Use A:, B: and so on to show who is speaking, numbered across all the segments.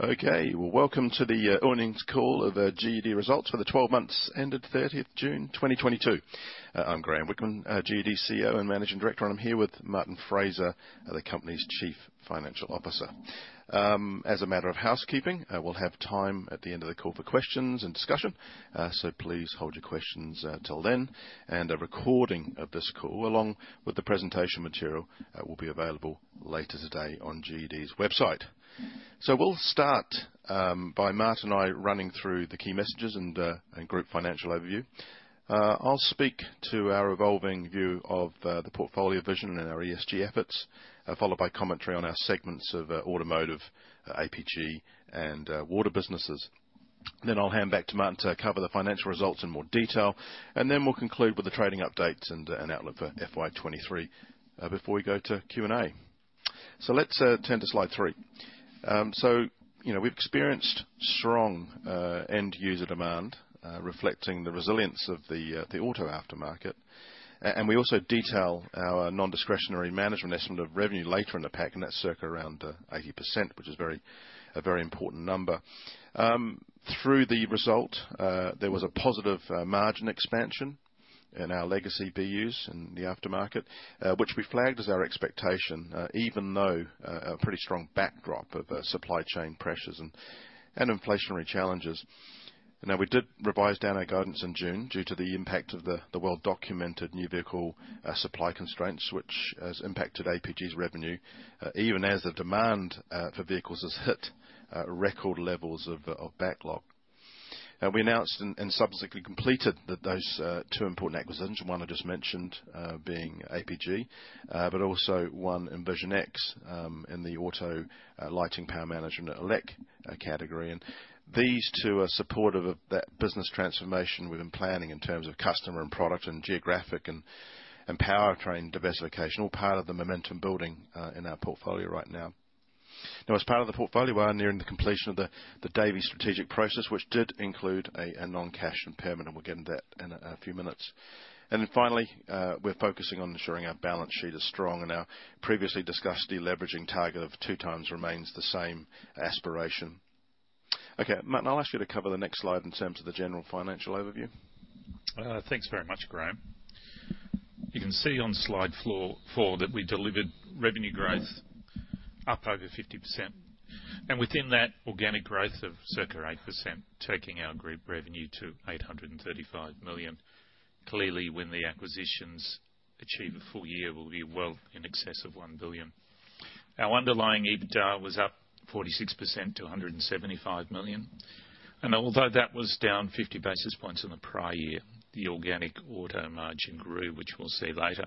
A: Okay. Well, welcome to the earnings call of GUD results for the 12 months ended 30th June 2022. I'm Graeme Whickman, GUD CEO and Managing Director, and I'm here with Martin Fraser, the company's Chief Financial Officer. As a matter of housekeeping, we'll have time at the end of the call for questions and discussion, so please hold your questions till then. A recording of this call, along with the presentation material, will be available later today on GUD's website. We'll start by Martin and I running through the key messages and group financial overview. I'll speak to our evolving view of the portfolio vision and our ESG efforts, followed by commentary on our segments of automotive, APG and water businesses. I'll hand back to Martin to cover the financial results in more detail, and then we'll conclude with the trading updates and outlook for FY2023 before we go to Q&A. Let's turn to Slide 3. You know, we've experienced strong end user demand reflecting the resilience of the auto aftermarket. We also detail our non-discretionary management estimate of revenue later in the pack, and that's circa around 80%, which is a very important number. Throughout the results, there was a positive margin expansion in our legacy BUs in the aftermarket, which we flagged as our expectation, even though a pretty strong backdrop of supply chain pressures and inflationary challenges. Now, we did revise down our guidance in June due to the impact of the well-documented new vehicle supply constraints which has impacted APG's revenue, even as the demand for vehicles has hit record levels of backlog. We announced and subsequently completed those two important acquisitions. One I just mentioned, being APG, but also one in Vision X, in the auto lighting power management, ELEC category. These two are supportive of that business transformation we've been planning in terms of customer and product and geographic and powertrain diversification, all part of the momentum building in our portfolio right now. Now, as part of the portfolio, we are nearing the completion of the Davey strategic process, which did include a non-cash impairment, and we'll get into that in a few minutes. Then finally, we're focusing on ensuring our balance sheet is strong and our previously discussed de-leveraging target of two times remains the same aspiration. Okay, Martin, I'll ask you to cover the next slide in terms of the general financial overview.
B: Thanks very much, Graeme. You can see on Slide 4 that we delivered revenue growth up over 50%. Within that, organic growth of circa 8%, taking our group revenue to 835 million. Clearly, when the acquisitions achieve a full year, we'll be well in excess of 1 billion. Our underlying EBITDA was up 46% to 175 million. Although that was down 50-basis points in the prior year, the organic auto margin grew, which we'll see later.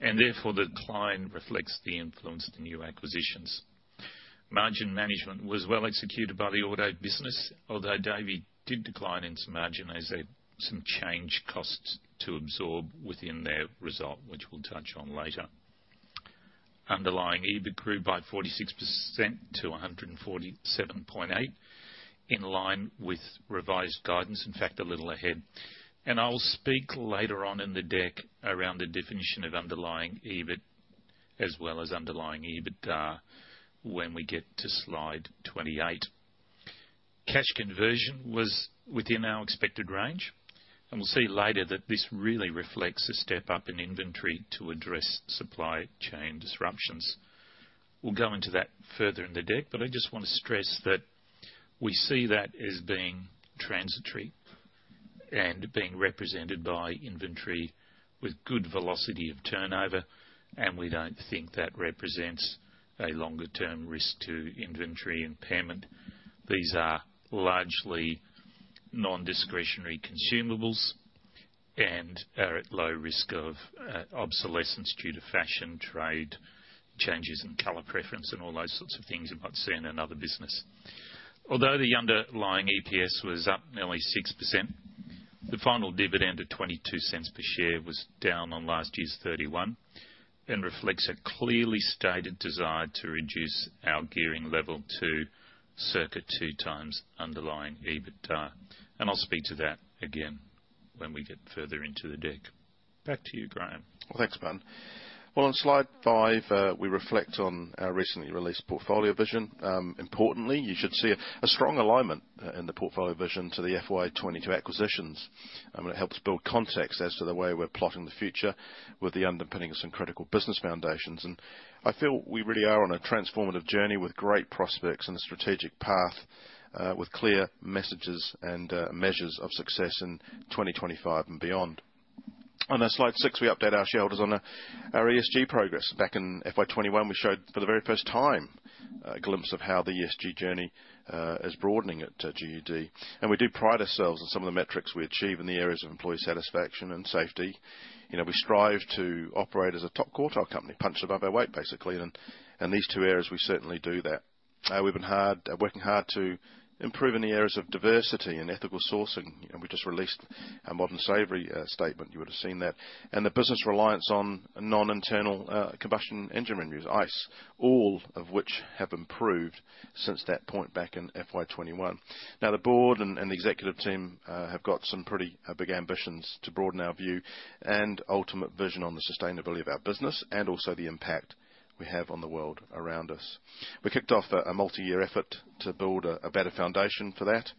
B: Therefore, the decline reflects the influence of the new acquisitions. Margin management was well executed by the auto business, although Davey did decline in some margin as they had some change costs to absorb within their result, which we'll touch on later. Underlying EBIT grew by 46% to 147.8, in line with revised guidance. In fact, a little ahead. I'll speak later on in the deck around the definition of underlying EBIT as well as underlying EBITDA when we get to Slide 28. Cash conversion was within our expected range, and we'll see later that this really reflects a step up in inventory to address supply chain disruptions. We'll go into that further in the deck, but I just wanna stress that we see that as being transitory and being represented by inventory with good velocity of turnover, and we don't think that represents a longer-term risk to inventory impairment. These are largely non-discretionary consumables and are at low risk of obsolescence due to fashion, trade changes, and color preference, and all those sorts of things you might see in another business. Although the underlying EPS was up nearly 6%, the final dividend of 0.22 per share was down on last year's 0.31 and reflects a clearly stated desire to reduce our gearing level to circa 2x underlying EBITDA. I'll speak to that again when we get further into the deck. Back to you, Graeme.
A: Well, thanks, Martin. Well, on Slide 5, we reflect on our recently released portfolio vision. Importantly, you should see a strong alignment in the portfolio vision to the FY2022 acquisitions. It helps build context as to the way we're plotting the future with the underpinning of some critical business foundations. I feel we really are on a transformative journey with great prospects and a strategic path with clear messages and measures of success in 2025 and beyond. On Slide 6, we update our shareholders on our ESG progress. Back in FY2021, we showed for the very first time a glimpse of how the ESG journey is broadening at GUD. We do pride ourselves on some of the metrics we achieve in the areas of employee satisfaction and safety. You know, we strive to operate as a top quartile company, punch above our weight, basically. These two areas, we certainly do that. We've been working hard to improve in the areas of diversity and ethical sourcing. You know, we just released our Modern Slavery Statement. You would've seen that. The business reliance on non-ICE revenues, all of which have improved since that point back in FY2021. Now, the board and the executive team have got some pretty big ambitions to broaden our view and ultimate vision on the sustainability of our business and also the impact we have on the world around us. We kicked off a multi-year effort to build a better foundation for that.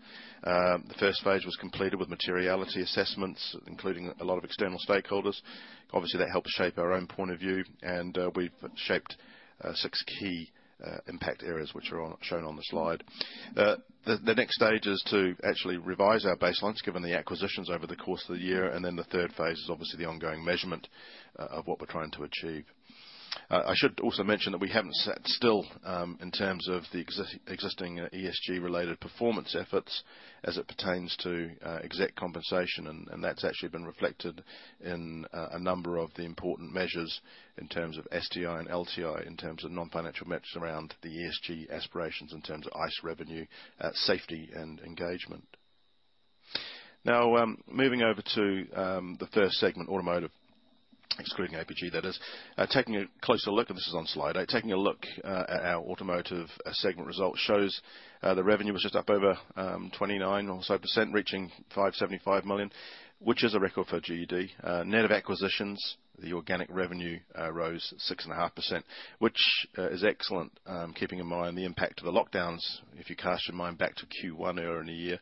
A: The first phase was completed with materiality assessments, including a lot of external stakeholders. Obviously, that helped shape our own point of view, and we've shaped six key impact areas which are shown on the slide. The next stage is to actually revise our baselines given the acquisitions over the course of the year, and then the third phase is obviously the ongoing measurement of what we're trying to achieve. I should also mention that we haven't sat still in terms of the existing ESG-related performance efforts as it pertains to exec compensation, and that's actually been reflected in a number of the important measures in terms of STI and LTI, in terms of non-financial metrics around the ESG aspirations, in terms of ICE revenue, safety and engagement. Now, moving over to the first segment, Automotive, excluding APG that is. Taking a closer look at our Automotive segment result shows the revenue was just up over 29% or so, reaching 575 million, which is a record for GUD. Net of acquisitions, the organic revenue rose 6.5%, which is excellent, keeping in mind the impact of the lockdowns, if you cast your mind back to Q1 earlier in the year,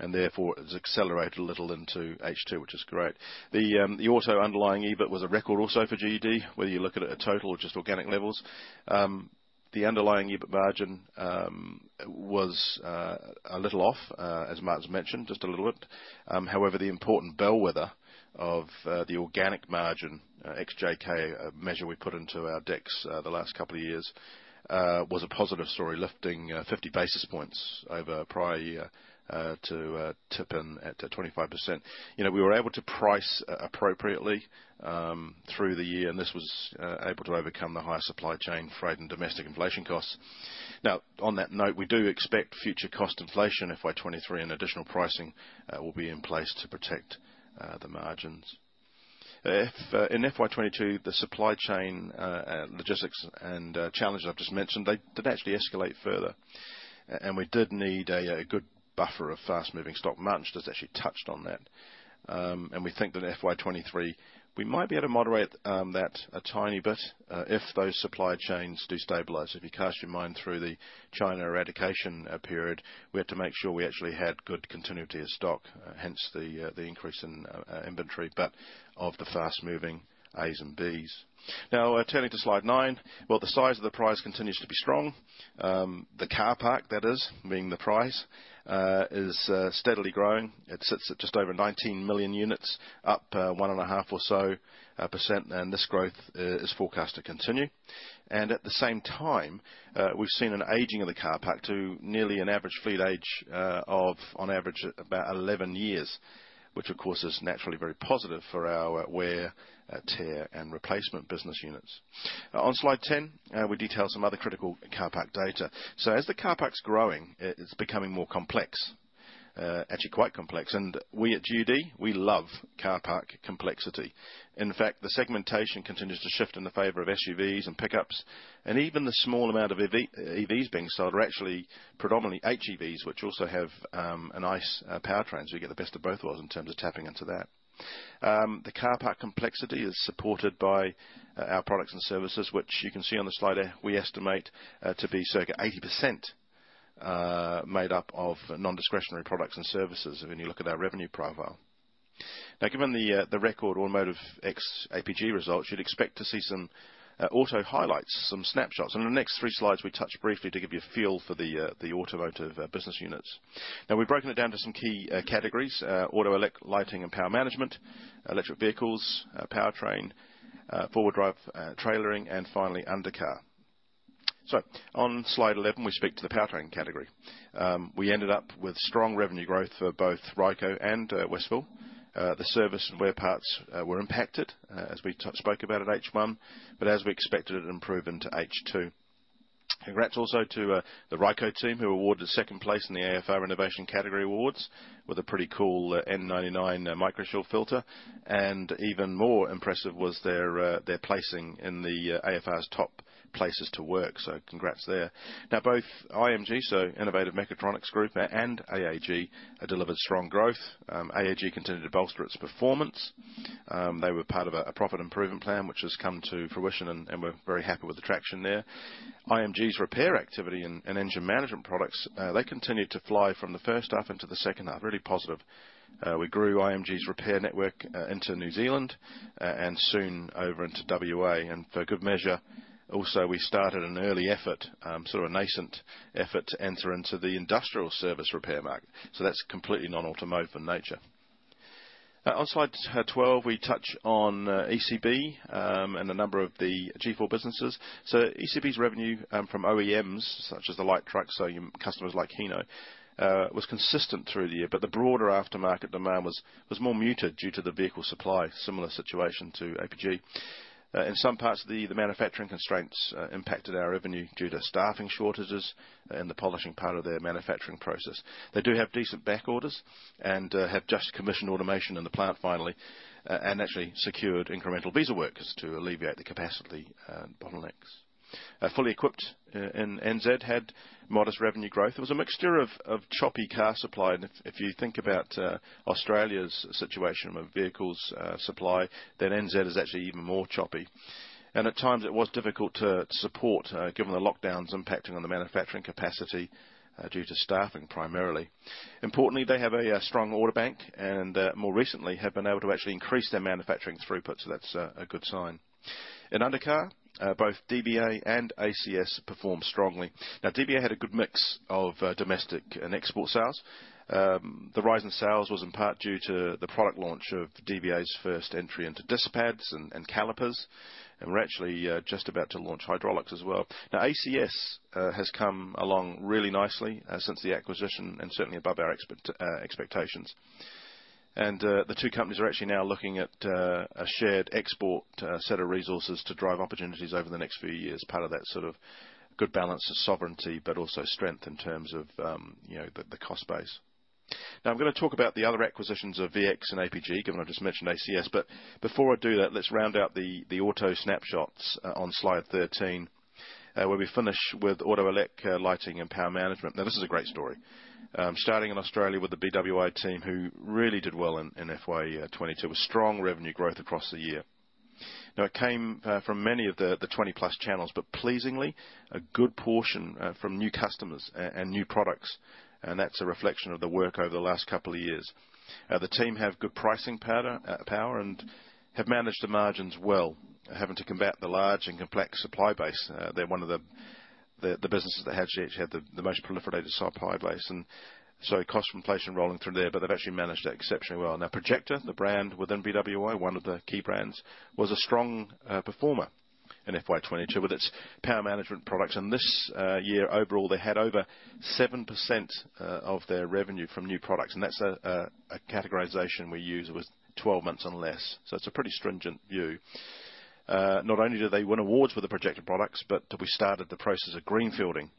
A: and therefore it has accelerated a little into H2, which is great. The Auto underlying EBIT was a record also for GUD, whether you look at it at total or just organic levels. The underlying EBIT margin was a little off, as Martin's mentioned, just a little bit. However, the important bellwether of the organic margin ex-JK, a measure we put into our decks the last couple of years, was a positive story, lifting 50-basis points over prior year to tip in at 25%. You know, we were able to price appropriately through the year, and this was able to overcome the higher supply chain, freight, and domestic inflation costs. Now, on that note, we do expect future cost inflation FY2023, and additional pricing will be in place to protect the margins. In FY2022, the supply chain logistics and challenges I've just mentioned, they did actually escalate further, and we did need a good buffer of fast-moving stock. Martin's just actually touched on that. We think that in FY23, we might be able to moderate that a tiny bit if those supply chains do stabilize. If you cast your mind through the China eradication period, we had to make sure we actually had good continuity of stock, hence the increase in inventory, but of the fast moving As and Bs. Now turning to Slide 9. Well, the size of the prize continues to be strong. The car park, that is, being the prize, is steadily growing. It sits at just over 19 million units, up 1.5% or so, and this growth is forecast to continue. At the same time, we've seen an aging of the car park to nearly an average fleet age of on average about 11 years, which of course is naturally very positive for our wear, tear, and replacement business units. On Slide 10, we detail some other critical car park data. As the car park's growing, it's becoming more complex, actually quite complex. We at GUD love car park complexity. In fact, the segmentation continues to shift in the favor of SUVs and pickups, and even the small amount of EV, EVs being sold are actually predominantly HEVs, which also have a nice powertrain, so you get the best of both worlds in terms of tapping into that. The car park complexity is supported by our products and services, which you can see on the slide there. We estimate to be circa 80% made up of non-discretionary products and services when you look at our revenue profile. Now, given the record Automotive ex APG results, you'd expect to see some auto highlights, some snapshots. On the next three slides, we touch briefly to give you a feel for the Automotive business units. Now, we've broken it down to some key categories. Auto elec, lighting and power management, electric vehicles, powertrain, four-wheel drive, trailering, and finally undercar. On Slide 11, we speak to the powertrain category. We ended up with strong revenue growth for both Ryco and Wesfil. The service and wear parts were impacted as we spoke about at H1, but as we expected it improved into H2. Congrats also to the Ryco team who were awarded second place in the AFR Innovation Category Awards with a pretty cool N99 MicroShield filter. Even more impressive was their placing in the AFR's top places to work. Congrats there. Now, both IMG, so Innovative Mechatronics Group, and AAG delivered strong growth. AAG continued to bolster its performance. They were part of a profit improvement plan, which has come to fruition and we're very happy with the traction there. IMG's repair activity and engine management products they continued to fly from the first half into the second half. Really positive. We grew IMG's repair network into New Zealand and soon over into WA. For good measure, also we started an early effort, sort of a nascent effort to enter into the industrial service repair market. That's completely non-automotive in nature. On Slide 12, we touch on ECB and a number of the G4 businesses. ECB's revenue from OEMs, such as the light trucks, so your customers like Hino, was consistent through the year, but the broader aftermarket demand was more muted due to the vehicle supply, similar situation to APG. In some parts the manufacturing constraints impacted our revenue due to staffing shortages in the polishing part of their manufacturing process. They do have decent back orders and have just commissioned automation in the plant finally and actually secured incremental visa workers to alleviate the capacity bottlenecks. Fully Equipped in NZ had modest revenue growth. It was a mixture of choppy car supply. If you think about Australia's situation with vehicles supply, then NZ is actually even more choppy. At times it was difficult to support given the lockdowns impacting on the manufacturing capacity due to staffing primarily. Importantly, they have a strong order bank, and more recently have been able to actually increase their manufacturing throughput. That's a good sign. In undercar, both DBA and ACS performed strongly. Now, DBA had a good mix of domestic and export sales. The rise in sales was in part due to the product launch of DBA's first entry into disc pads and calipers. We're actually just about to launch hydraulics as well. ACS has come along really nicely since the acquisition and certainly above our expectations. The two companies are actually now looking at a shared export set of resources to drive opportunities over the next few years, part of that sort of good balance of sovereignty, but also strength in terms of, you know, the cost base. Now I'm gonna talk about the other acquisitions of VX and APG, given I just mentioned ACS, but before I do that, let's round out the auto snapshots on Slide 13, where we finish with Auto Elec lighting and power management. Now this is a great story. Starting in Australia with the BWI team who really did well in FY2022 with strong revenue growth across the year. It came from many of the 20-plus channels, but pleasingly a good portion from new customers and new products, and that's a reflection of the work over the last couple of years. The team have good pricing power and have managed the margins well, having to combat the large and complex supply base. They're one of the businesses that actually had the most proliferated supply base, and so cost inflation rolling through there, but they've actually managed it exceptionally well. Now Projecta, the brand within BWI, one of the key brands, was a strong performer in FY2022 with its power management products. This year overall, they had over 7% of their revenue from new products, and that's a categorization we use with 12 months or less. It's a pretty stringent view. Not only do they win awards for the Projecta products, but we started the process of greenfielding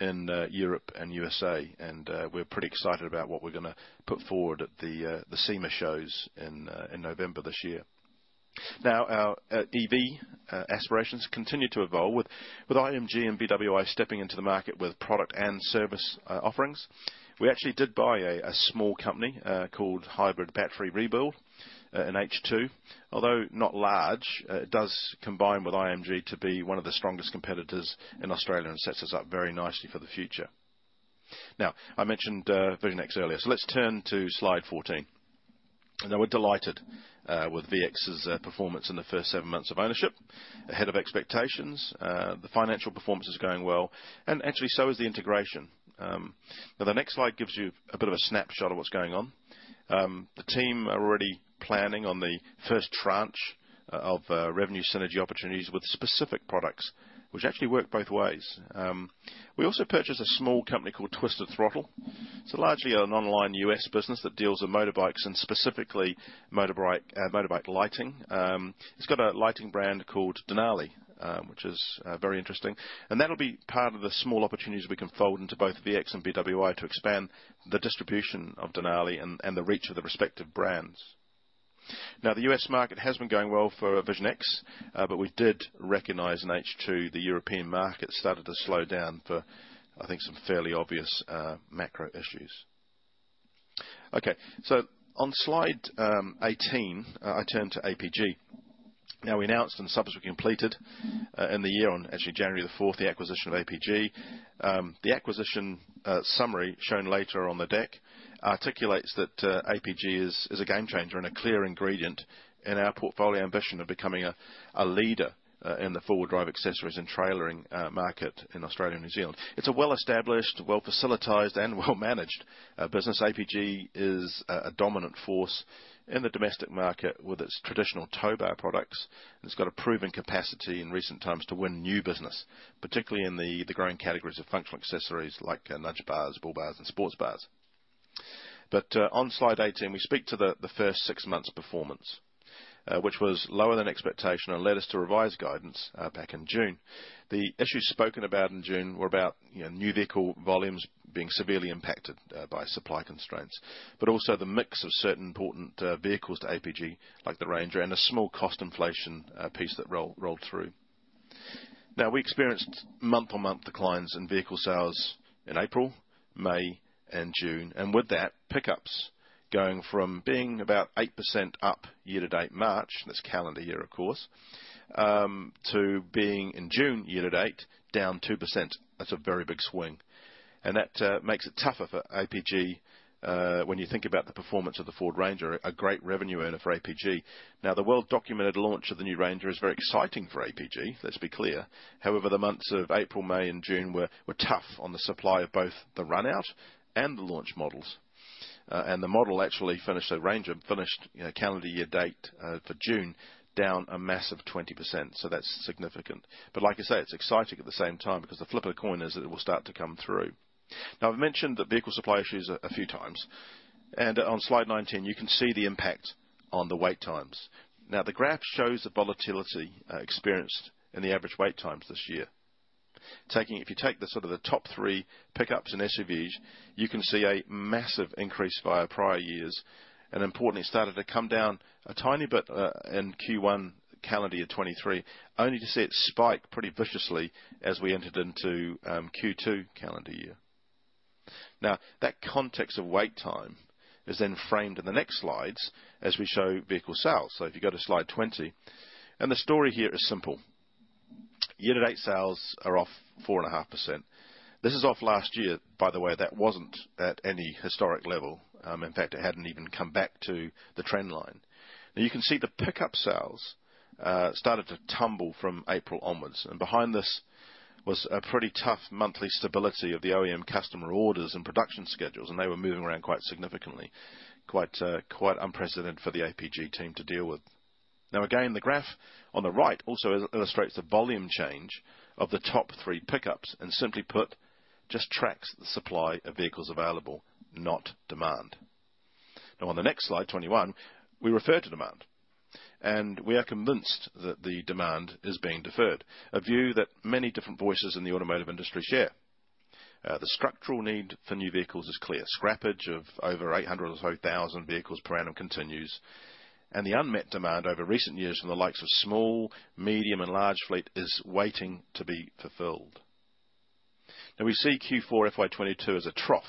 A: in Europe and USA, and we're pretty excited about what we're gonna put forward at the SEMA shows in November this year. Now our EV aspirations continue to evolve with IMG and BWI stepping into the market with product and service offerings. We actually did buy a small company called Hybrid Battery Rebuild in H2. Although not large, it does combine with IMG to be one of the strongest competitors in Australia and sets us up very nicely for the future. I mentioned Vision X earlier. Let's turn to Slide 14. We're delighted with Vision X's performance in the first seven months of ownership. Ahead of expectations, the financial performance is going well, and actually so is the integration. Now the next slide gives you a bit of a snapshot of what's going on. The team are already planning on the first tranche of revenue synergy opportunities with specific products which actually work both ways. We also purchased a small company called Twisted Throttle. It's largely an online U.S. business that deals in motorcycles and specifically motorcycle lighting. It's got a lighting brand called Denali, which is very interesting, and that'll be part of the small opportunities we can fold into both Vision X and BWI to expand the distribution of Denali and the reach of the respective brands. Now, the U.S. market has been going well for Vision X, but we did recognize in H2 the European market started to slow down for, I think, some fairly obvious macro issues. Okay. On Slide 18, I turn to APG. Now we announced and subsequently completed in the year on actually January the fourth the acquisition of APG. The acquisition summary shown later on the deck articulates that APG is a game changer and a clear ingredient in our portfolio ambition of becoming a leader in the four-wheel drive accessories and trailering market in Australia and New Zealand. It's a well-established, well-facilitated, and well-managed business. APG is a dominant force in the domestic market with its traditional tow bar products. It's got a proven capacity in recent times to win new business, particularly in the growing categories of functional accessories like nudge bars, bull bars, and sports bars. On Slide 18, we speak to the first six months performance, which was lower than expectation and led us to revise guidance back in June. The issues spoken about in June were about, you know, new vehicle volumes being severely impacted by supply constraints, but also the mix of certain important vehicles to APG, like the Ranger and a small cost inflation piece that rolled through. Now, we experienced month-on-month declines in vehicle sales in April, May, and June. With that, pickups going from being about 8% up year to date March, and that's calendar year, of course, to being in June year to date down 2%. That's a very big swing. That makes it tougher for APG when you think about the performance of the Ford Ranger, a great revenue earner for APG. Now, the well-documented launch of the new Ranger is very exciting for APG. Let's be clear. However, the months of April, May, and June were tough on the supply of both the run out and the launch models. The Ranger finished, you know, calendar year-to-date for June down a massive 20%. That's significant. Like I say, it's exciting at the same time because the flip of the coin is that it will start to come through. I've mentioned the vehicle supply issues a few times, and on Slide 19, you can see the impact on the wait times. Now, the graph shows the volatility experienced in the average wait times this year. If you take the sort of the top three pickups and SUVs, you can see a massive increase versus prior years, and importantly, started to come down a tiny bit in Q1 calendar year 2023, only to see it spike pretty viciously as we entered into Q2 calendar year. Now, that context of wait time is then framed in the next slides as we show vehicle sales. If you go to Slide 20, the story here is simple. Unit sales are off 4.5%. This is off last year, by the way, that wasn't at any historic level. In fact, it hadn't even come back to the trend line. Now, you can see the pickup sales started to tumble from April onwards. Behind this was a pretty tough monthly instability of the OEM customer orders and production schedules, and they were moving around quite significantly, quite unprecedented for the APG team to deal with. Again, the graph on the right also illustrates the volume change of the top three pickups, and simply put, just tracks the supply of vehicles available, not demand. On the next Slide, 21, we refer to demand, and we are convinced that the demand is being deferred, a view that many different voices in the automotive industry share. The structural need for new vehicles is clear. Scrappage of over 800,000 or so vehicles per annum continues, and the unmet demand over recent years from the likes of small, medium, and large fleet is waiting to be fulfilled. Now we see Q4 FY2022 as a trough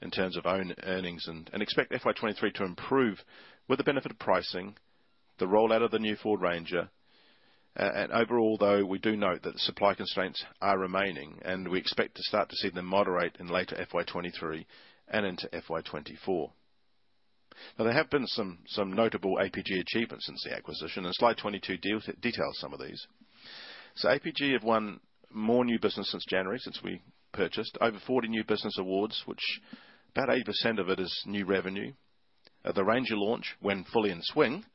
A: in terms of own earnings and expect FY2023 to improve with the benefit of pricing, the rollout of the new Ford Ranger. Overall, though, we do note that the supply constraints are remaining, and we expect to start to see them moderate in later FY2023 and into FY2024. Now there have been some notable APG achievements since the acquisition and Slide 22 details some of these. APG have won more new business since we purchased over 40 new business awards, which about 80% of it is new revenue. The Ranger launch, when fully in swing,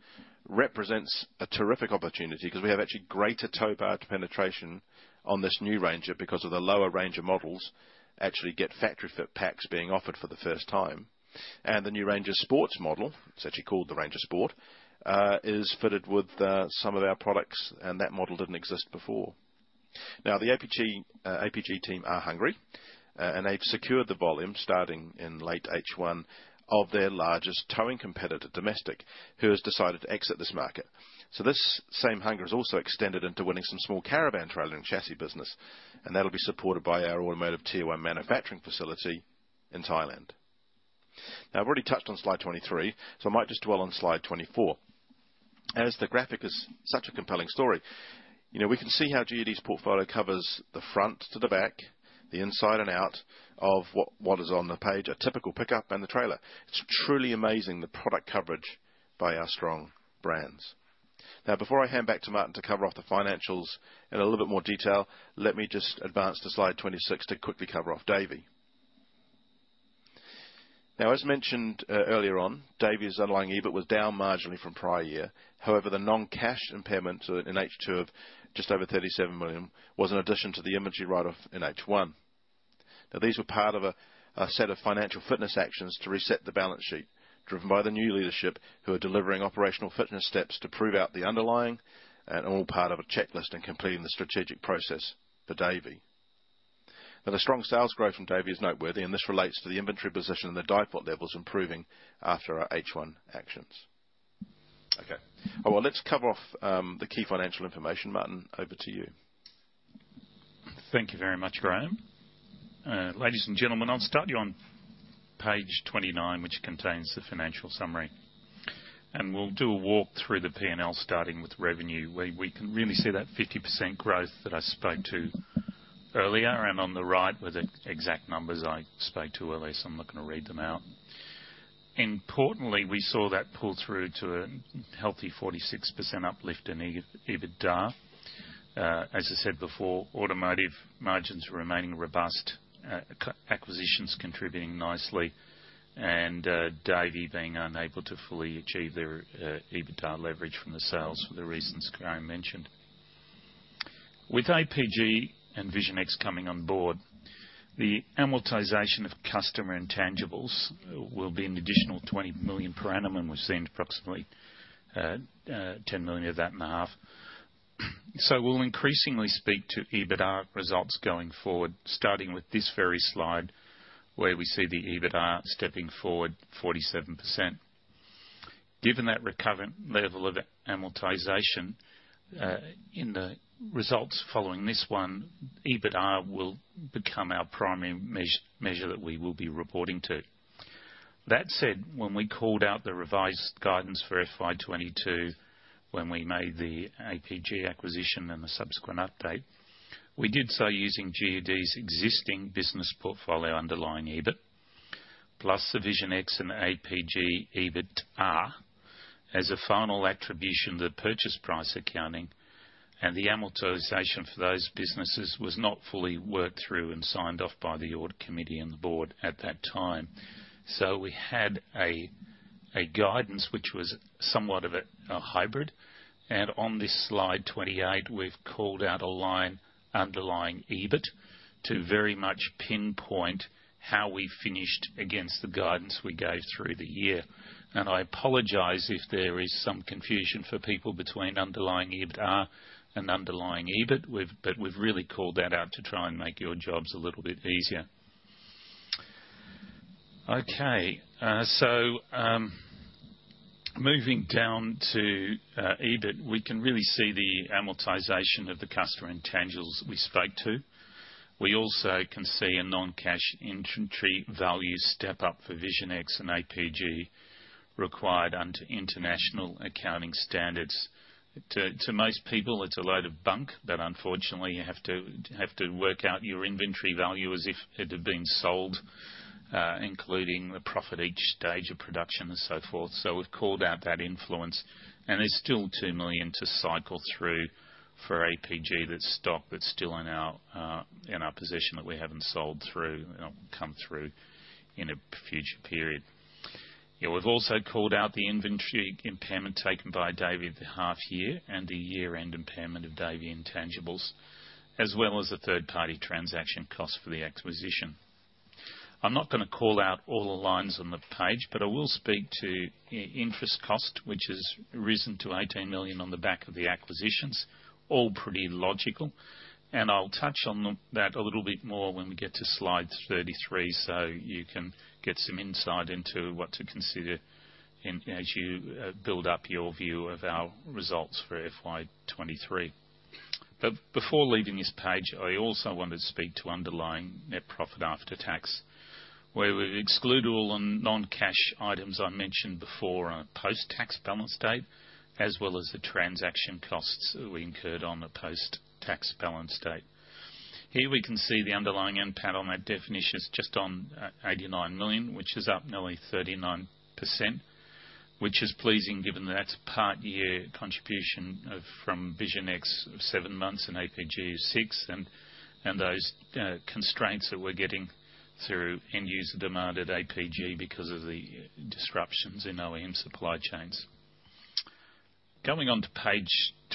A: represents a terrific opportunity because we have actually greater towbar penetration on this new Ranger because of the lower Ranger models actually get factory fit packs being offered for the first time. The new Ranger Sport model, it's actually called the Ranger Sport, is fitted with some of our products, and that model didn't exist before. Now, the APG team are hungry, and they've secured the volume starting in late H1 of their largest towing competitor, Dometic, who has decided to exit this market. This same hunger is also extended into winning some small caravan trailer and chassis business, and that'll be supported by our automotive tier one manufacturing facility in Thailand. Now, I've already touched on Slide 23, so I might just dwell on Slide 24. As the graphic is such a compelling story, you know, we can see how GUD's portfolio covers the front to the back, the inside and out of what is on the page, a typical pickup and the trailer. It's truly amazing the product coverage by our strong brands. Before I hand back to Martin to cover off the financials in a little bit more detail, let me just advance to Slide 26 to quickly cover off Davey. As mentioned earlier on, Davey's underlying EBIT was down marginally from prior year. However, the non-cash impairment to it in H2 of just over 37 million was an addition to the IMG write-off in H1. These were part of a set of financial fitness actions to reset the balance sheet, driven by the new leadership who are delivering operational fitness steps to prove out the underlying and all part of a checklist in completing the strategic process for Davey. The strong sales growth from Davey is noteworthy, and this relates to the inventory position and the DIFOT levels improving after our H1 actions. Okay. Oh, well, let's cover off the key financial information. Martin, over to you.
B: Thank you very much, Graeme. Ladies and gentlemen, I'll start you on Page 29, which contains the financial summary. We'll do a walk through the P&L, starting with revenue, where we can really see that 50% growth that I spoke to earlier. On the right were the exact numbers I spoke to earlier, so I'm not gonna read them out. Importantly, we saw that pull through to a healthy 46% uplift in EBITDA. As I said before, automotive margins remaining robust, acquisitions contributing nicely, and Davey being unable to fully achieve their EBITDA leverage from the sales for the reasons Graeme mentioned. With APG and Vision X coming on board, the amortization of customer intangibles will be an additional 20 million per annum, and we've seen approximately 10 million of that in the half. We'll increasingly speak to EBITDA results going forward, starting with this very slide, where we see the EBITDA stepping forward 47%. Given that recurrent level of amortization in the results following this one, EBITDA will become our primary measure that we will be reporting to. That said, when we called out the revised guidance for FY2022, when we made the APG acquisition and the subsequent update, we did so using GUD's existing business portfolio underlying EBIT, plus the Vision X and APG EBITDA as a final attribution to the purchase price accounting, and the amortization for those businesses was not fully worked through and signed off by the audit committee and the board at that time. We had a guidance which was somewhat of a hybrid. On this Slide 28, we've called out a line underlying EBIT to very much pinpoint how we finished against the guidance we gave through the year. I apologize if there is some confusion for people between underlying EBITDA and underlying EBIT. But we've really called that out to try and make your jobs a little bit easier. Okay, moving down to EBIT, we can really see the amortization of the customer intangibles we spoke to. We also can see a non-cash inventory value step up for Vision X and APG required under international accounting standards. To most people, it's a load of bunk, but unfortunately, you have to work out your inventory value as if it had been sold, including the profit each stage of production and so forth. We've called out that influence, and there's still 2 million to cycle through for APG. That stock that's still in our possession that we haven't sold through, you know, come through in a future period. Yeah, we've also called out the inventory impairment taken by Davey at the half year and the year-end impairment of Davey intangibles, as well as the third-party transaction cost for the acquisition. I'm not gonna call out all the lines on the page, but I will speak to interest cost, which has risen to 18 million on the back of the acquisitions. All pretty logical, and I'll touch on that a little bit more when we get to Slide 33, so you can get some insight into what to consider in, as you build up your view of our results for FY 2023. Before leaving this page, I also wanted to speak to underlying net profit after tax, where we've excluded all non-cash items I mentioned before on a post-tax balance date, as well as the transaction costs that we incurred on the post-tax balance date. Here, we can see the underlying NPAT on that definition is just on 89 million, which is up nearly 39%, which is pleasing, given that's part-year contribution of, from Vision X of seven months and APG of six. Those constraints that we're getting through end-user demand at APG because of the disruptions in OEM supply chains. Going on to Page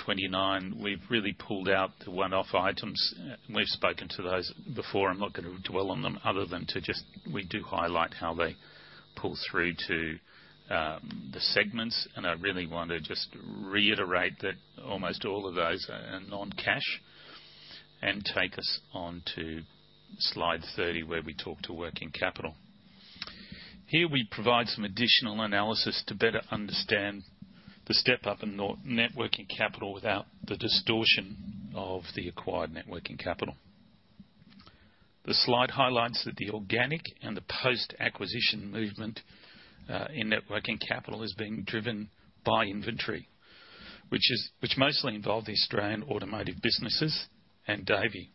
B: 29, we've really pulled out the one-off items. We've spoken to those before. I'm not gonna dwell on them other than to just. We do highlight how they pull through to the segments, and I really wanna just reiterate that almost all of those are non-cash and take us on to Slide 30, where we talk to working capital. Here, we provide some additional analysis to better understand the step up in net working capital without the distortion of the acquired net working capital. The slide highlights that the organic and the post-acquisition movement in net working capital is being driven by inventory, which mostly involved the Australian automotive businesses and Davey.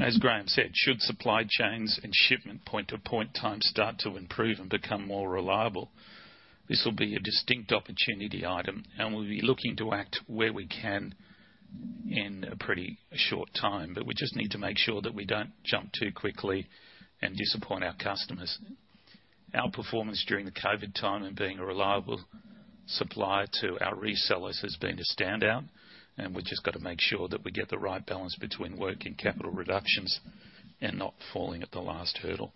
B: As Graeme said, should supply chains and shipment point-to-point time start to improve and become more reliable, this will be a distinct opportunity item, and we'll be looking to act where we can in a pretty short time. But we just need to make sure that we don't jump too quickly and disappoint our customers. Our performance during the COVID time and being a reliable supplier to our resellers has been a standout, and we've just got to make sure that we get the right balance between working capital reductions and not falling at the last hurdle.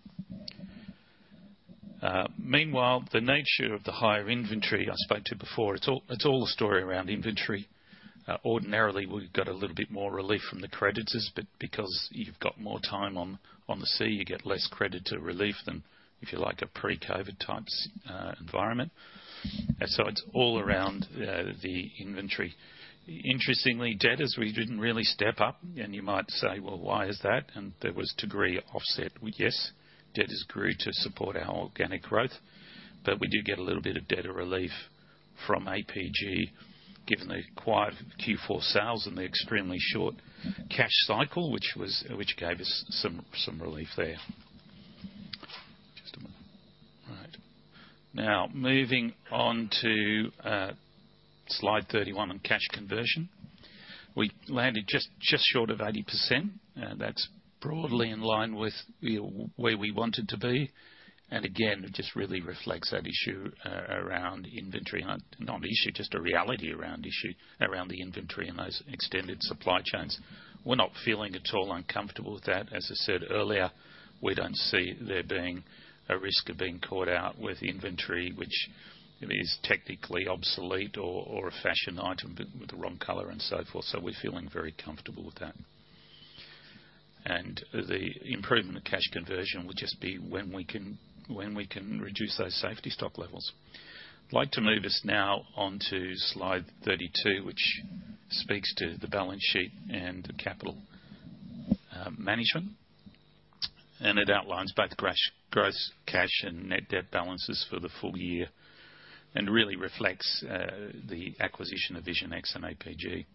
B: Meanwhile, the nature of the higher inventory I spoke to before, it's all a story around inventory. Ordinarily, we've got a little bit more relief from the creditors, but because you've got more time on the sea, you get less creditor relief than, if you like, a pre-COVID type environment. So, it's all around the inventory. Interestingly, debtors, we didn't really step up, and you might say, "Well, why is that?" There was a degree of offset. Yes, debt has grew to support our organic growth, but we do get a little bit of debtor relief from APG, given the quiet Q4 sales and the extremely short cash cycle, which gave us some relief there. Just a moment. All right. Now, moving on to Slide 31 on cash conversion. We landed just short of 80%. That's broadly in line with where we wanted to be. Again, it just really reflects that issue around inventory. Not an issue, just a reality around the inventory and those extended supply chains. We're not feeling at all uncomfortable with that. As I said earlier, we don't see there being a risk of being caught out with inventory, which is technically obsolete or a fashion item but with the wrong color and so forth. We're feeling very comfortable with that. The improvement of cash conversion will just be when we can reduce those safety stock levels. I'd like to move us now on to Slide 32, which speaks to the balance sheet and capital management. It outlines both gross cash and net debt balances for the full year and really reflects the acquisition of Vision X and APG.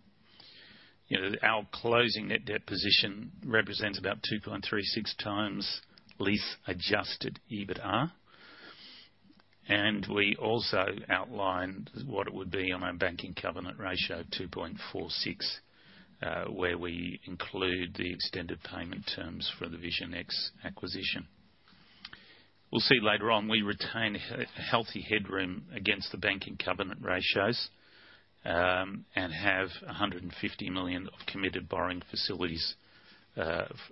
B: You know, our closing net debt position represents about 2.36 times lease-adjusted EBITDA. We also outlined what it would be on our banking covenant ratio, 2.46, where we include the extended payment terms for the Vision X acquisition. We'll see later on we retain healthy headroom against the banking covenant ratios and have 150 million of committed borrowing facilities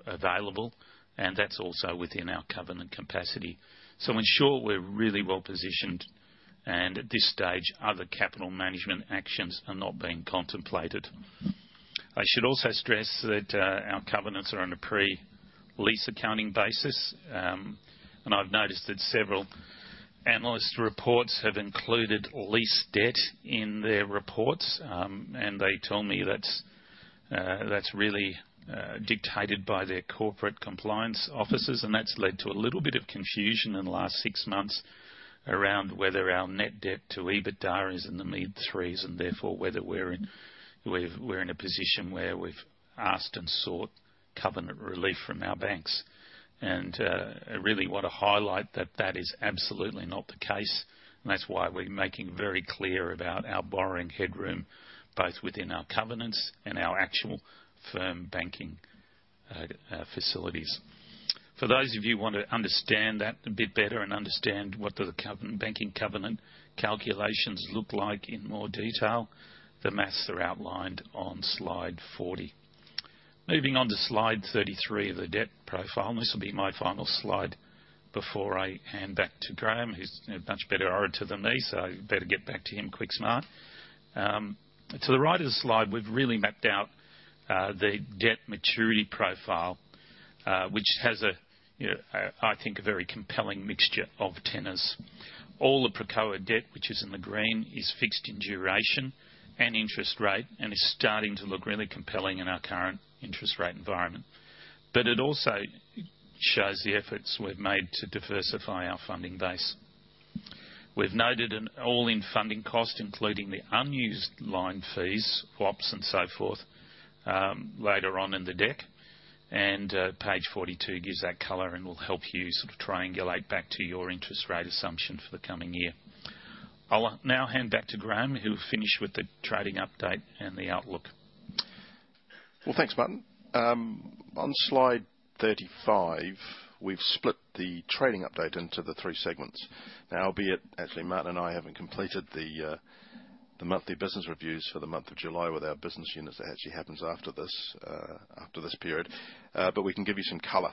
B: available, and that's also within our covenant capacity. In short, we're really well-positioned, and at this stage, other capital management actions are not being contemplated. I should also stress that our covenants are on a pre-lease accounting basis, and I've noticed that several analyst reports have included lease debt in their reports. They tell me that's really dictated by their corporate compliance officers, and that's led to a little bit of confusion in the last six months around whether our net debt to EBITDA is in the mid-threes, and therefore whether we're in a position where we've asked and sought covenant relief from our banks. I really want to highlight that that is absolutely not the case. That's why we're making very clear about our borrowing headroom, both within our covenants and our actual firm banking facilities. For those of you who want to understand that a bit better and understand what the banking covenant calculations look like in more detail, the math is outlined on Slide 40. Moving on to Slide 33 of the debt profile, and this will be my final slide before I hand back to Graeme, who's a much better orator than me, so better get back to him quick smart. To the right of the slide, we've really mapped out the debt maturity profile, which has a, you know, I think, a very compelling mixture of tenors. All the private debt, which is in the green, is fixed in duration and interest rate and is starting to look really compelling in our current interest rate environment. It also shows the efforts we've made to diversify our funding base. We've noted an all-in funding cost, including the unused line fees, swaps and so forth, later on in the deck. Page 42 gives that color and will help you sort of triangulate back to your interest rate assumption for the coming year. I'll now hand back to Graeme, who will finish with the trading update and the outlook.
A: Well, thanks, Martin. On Slide 35, we've split the trading update into the three segments. Albeit actually Martin and I haven't completed the monthly business reviews for the month of July with our business units. That actually happens after this period. We can give you some color.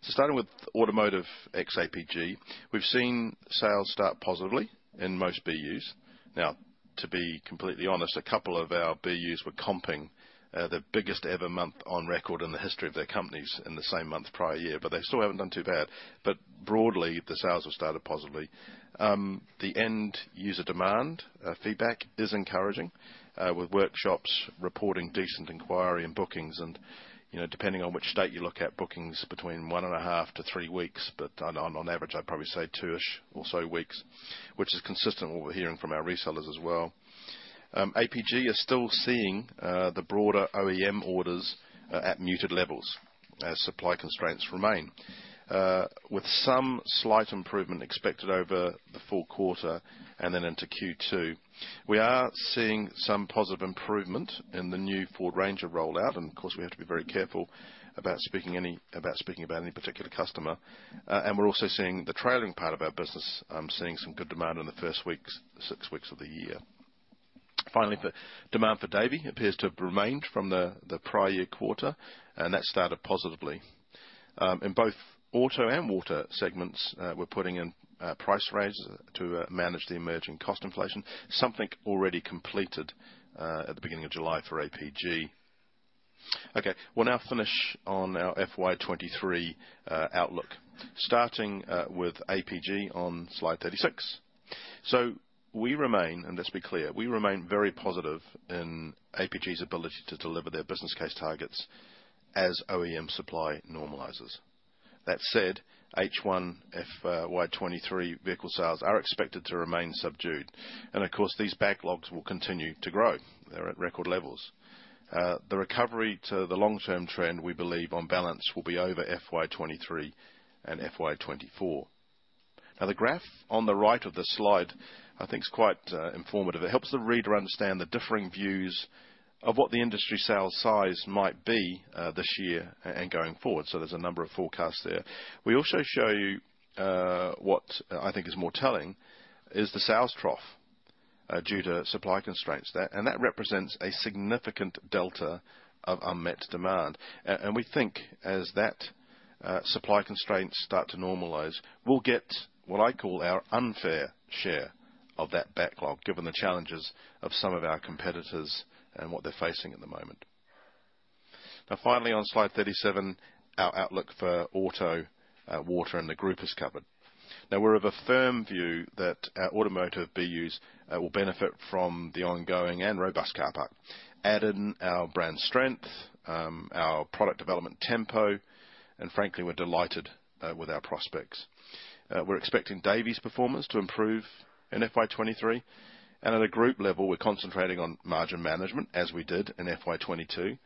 A: Starting with Automotive ex APG, we've seen sales start positively in most BUs. To be completely honest, a couple of our BUs were comping their biggest ever month on record in the history of their companies in the same month prior year, but they still haven't done too bad. Broadly, the sales have started positively. The end user demand feedback is encouraging, with workshops reporting decent inquiry and bookings. You know, depending on which state you look at, bookings between 1.5 and three weeks. On average, I'd probably say 2-ish or so weeks, which is consistent with what we're hearing from our resellers as well. APG is still seeing the broader OEM orders at muted levels as supply constraints remain. With some slight improvement expected over the full quarter and then into Q2. We are seeing some positive improvement in the new Ford Ranger rollout, and of course, we have to be very careful about speaking about any particular customer. We're also seeing the trailing part of our business seeing some good demand in the first six weeks of the year. Finally, the demand for Davey appears to have remained from the prior year quarter, and that started positively. In both Auto and Water segments, we're putting in price raises to manage the emerging cost inflation, something already completed at the beginning of July for APG. Okay. We'll now finish on our FY2023 outlook, starting with APG on Slide 36. We remain, and let's be clear, we remain very positive in APG's ability to deliver their business case targets as OEM supply normalizes. That said, H1 FY2023 vehicle sales are expected to remain subdued. Of course, these backlogs will continue to grow. They're at record levels. The recovery to the long-term trend, we believe, on balance, will be over FY2023 and FY2024. Now, the graph on the right of the slide I think is quite informative. It helps the reader understand the differing views of what the industry sales size might be, this year and going forward. There's a number of forecasts there. We also show you what I think is more telling, is the sales trough due to supply constraints. That represents a significant delta of unmet demand. We think as that supply constraints start to normalize, we'll get what I call our unfair share of that backlog, given the challenges of some of our competitors and what they're facing at the moment. Now, finally, on Slide 37, our outlook for Auto, Water, and the group is covered. Now, we're of a firm view that our Automotive BUs will benefit from the ongoing and robust car parc. Add in our brand strength, our product development tempo, and frankly, we're delighted with our prospects. We're expecting Davey's performance to improve in FY2023. At a group level, we're concentrating on margin management as we did in FY2022,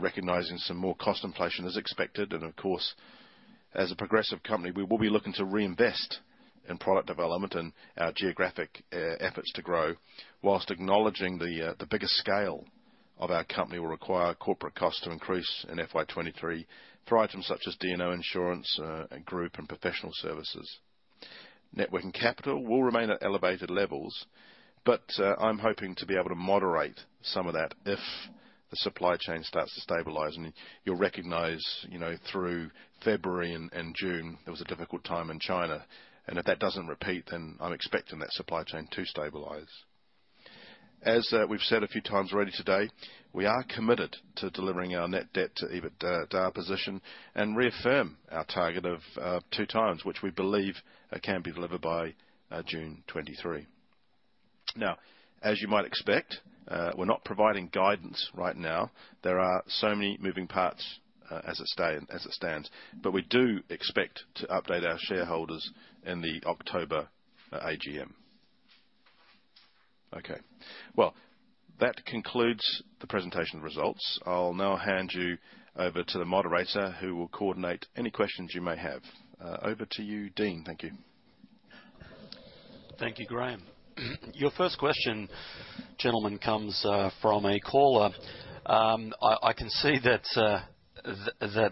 A: recognizing some more cost inflation is expected. Of course, as a progressive company, we will be looking to reinvest in product development and our geographic efforts to grow while acknowledging the bigger scale of our company will require corporate costs to increase in FY2023 for items such as D&O insurance and group and professional services. Working capital will remain at elevated levels, but I'm hoping to be able to moderate some of that if the supply chain starts to stabilize. You'll recognize, you know, through February and June, there was a difficult time in China. If that doesn't repeat, then I'm expecting that supply chain to stabilize. As we've said a few times already today, we are committed to delivering our net debt to EBITDA position and reaffirm our target of two times, which we believe can be delivered by June 2023. Now, as you might expect, we're not providing guidance right now. There are so many moving parts, as it stands. We do expect to update our shareholders in the October AGM. Okay. Well, that concludes the presentation results. I'll now hand you over to the moderator who will coordinate any questions you may have. Over to you, Dean. Thank you.
C: Thank you, Graeme. Your first question, gentlemen, comes from a caller. I can see that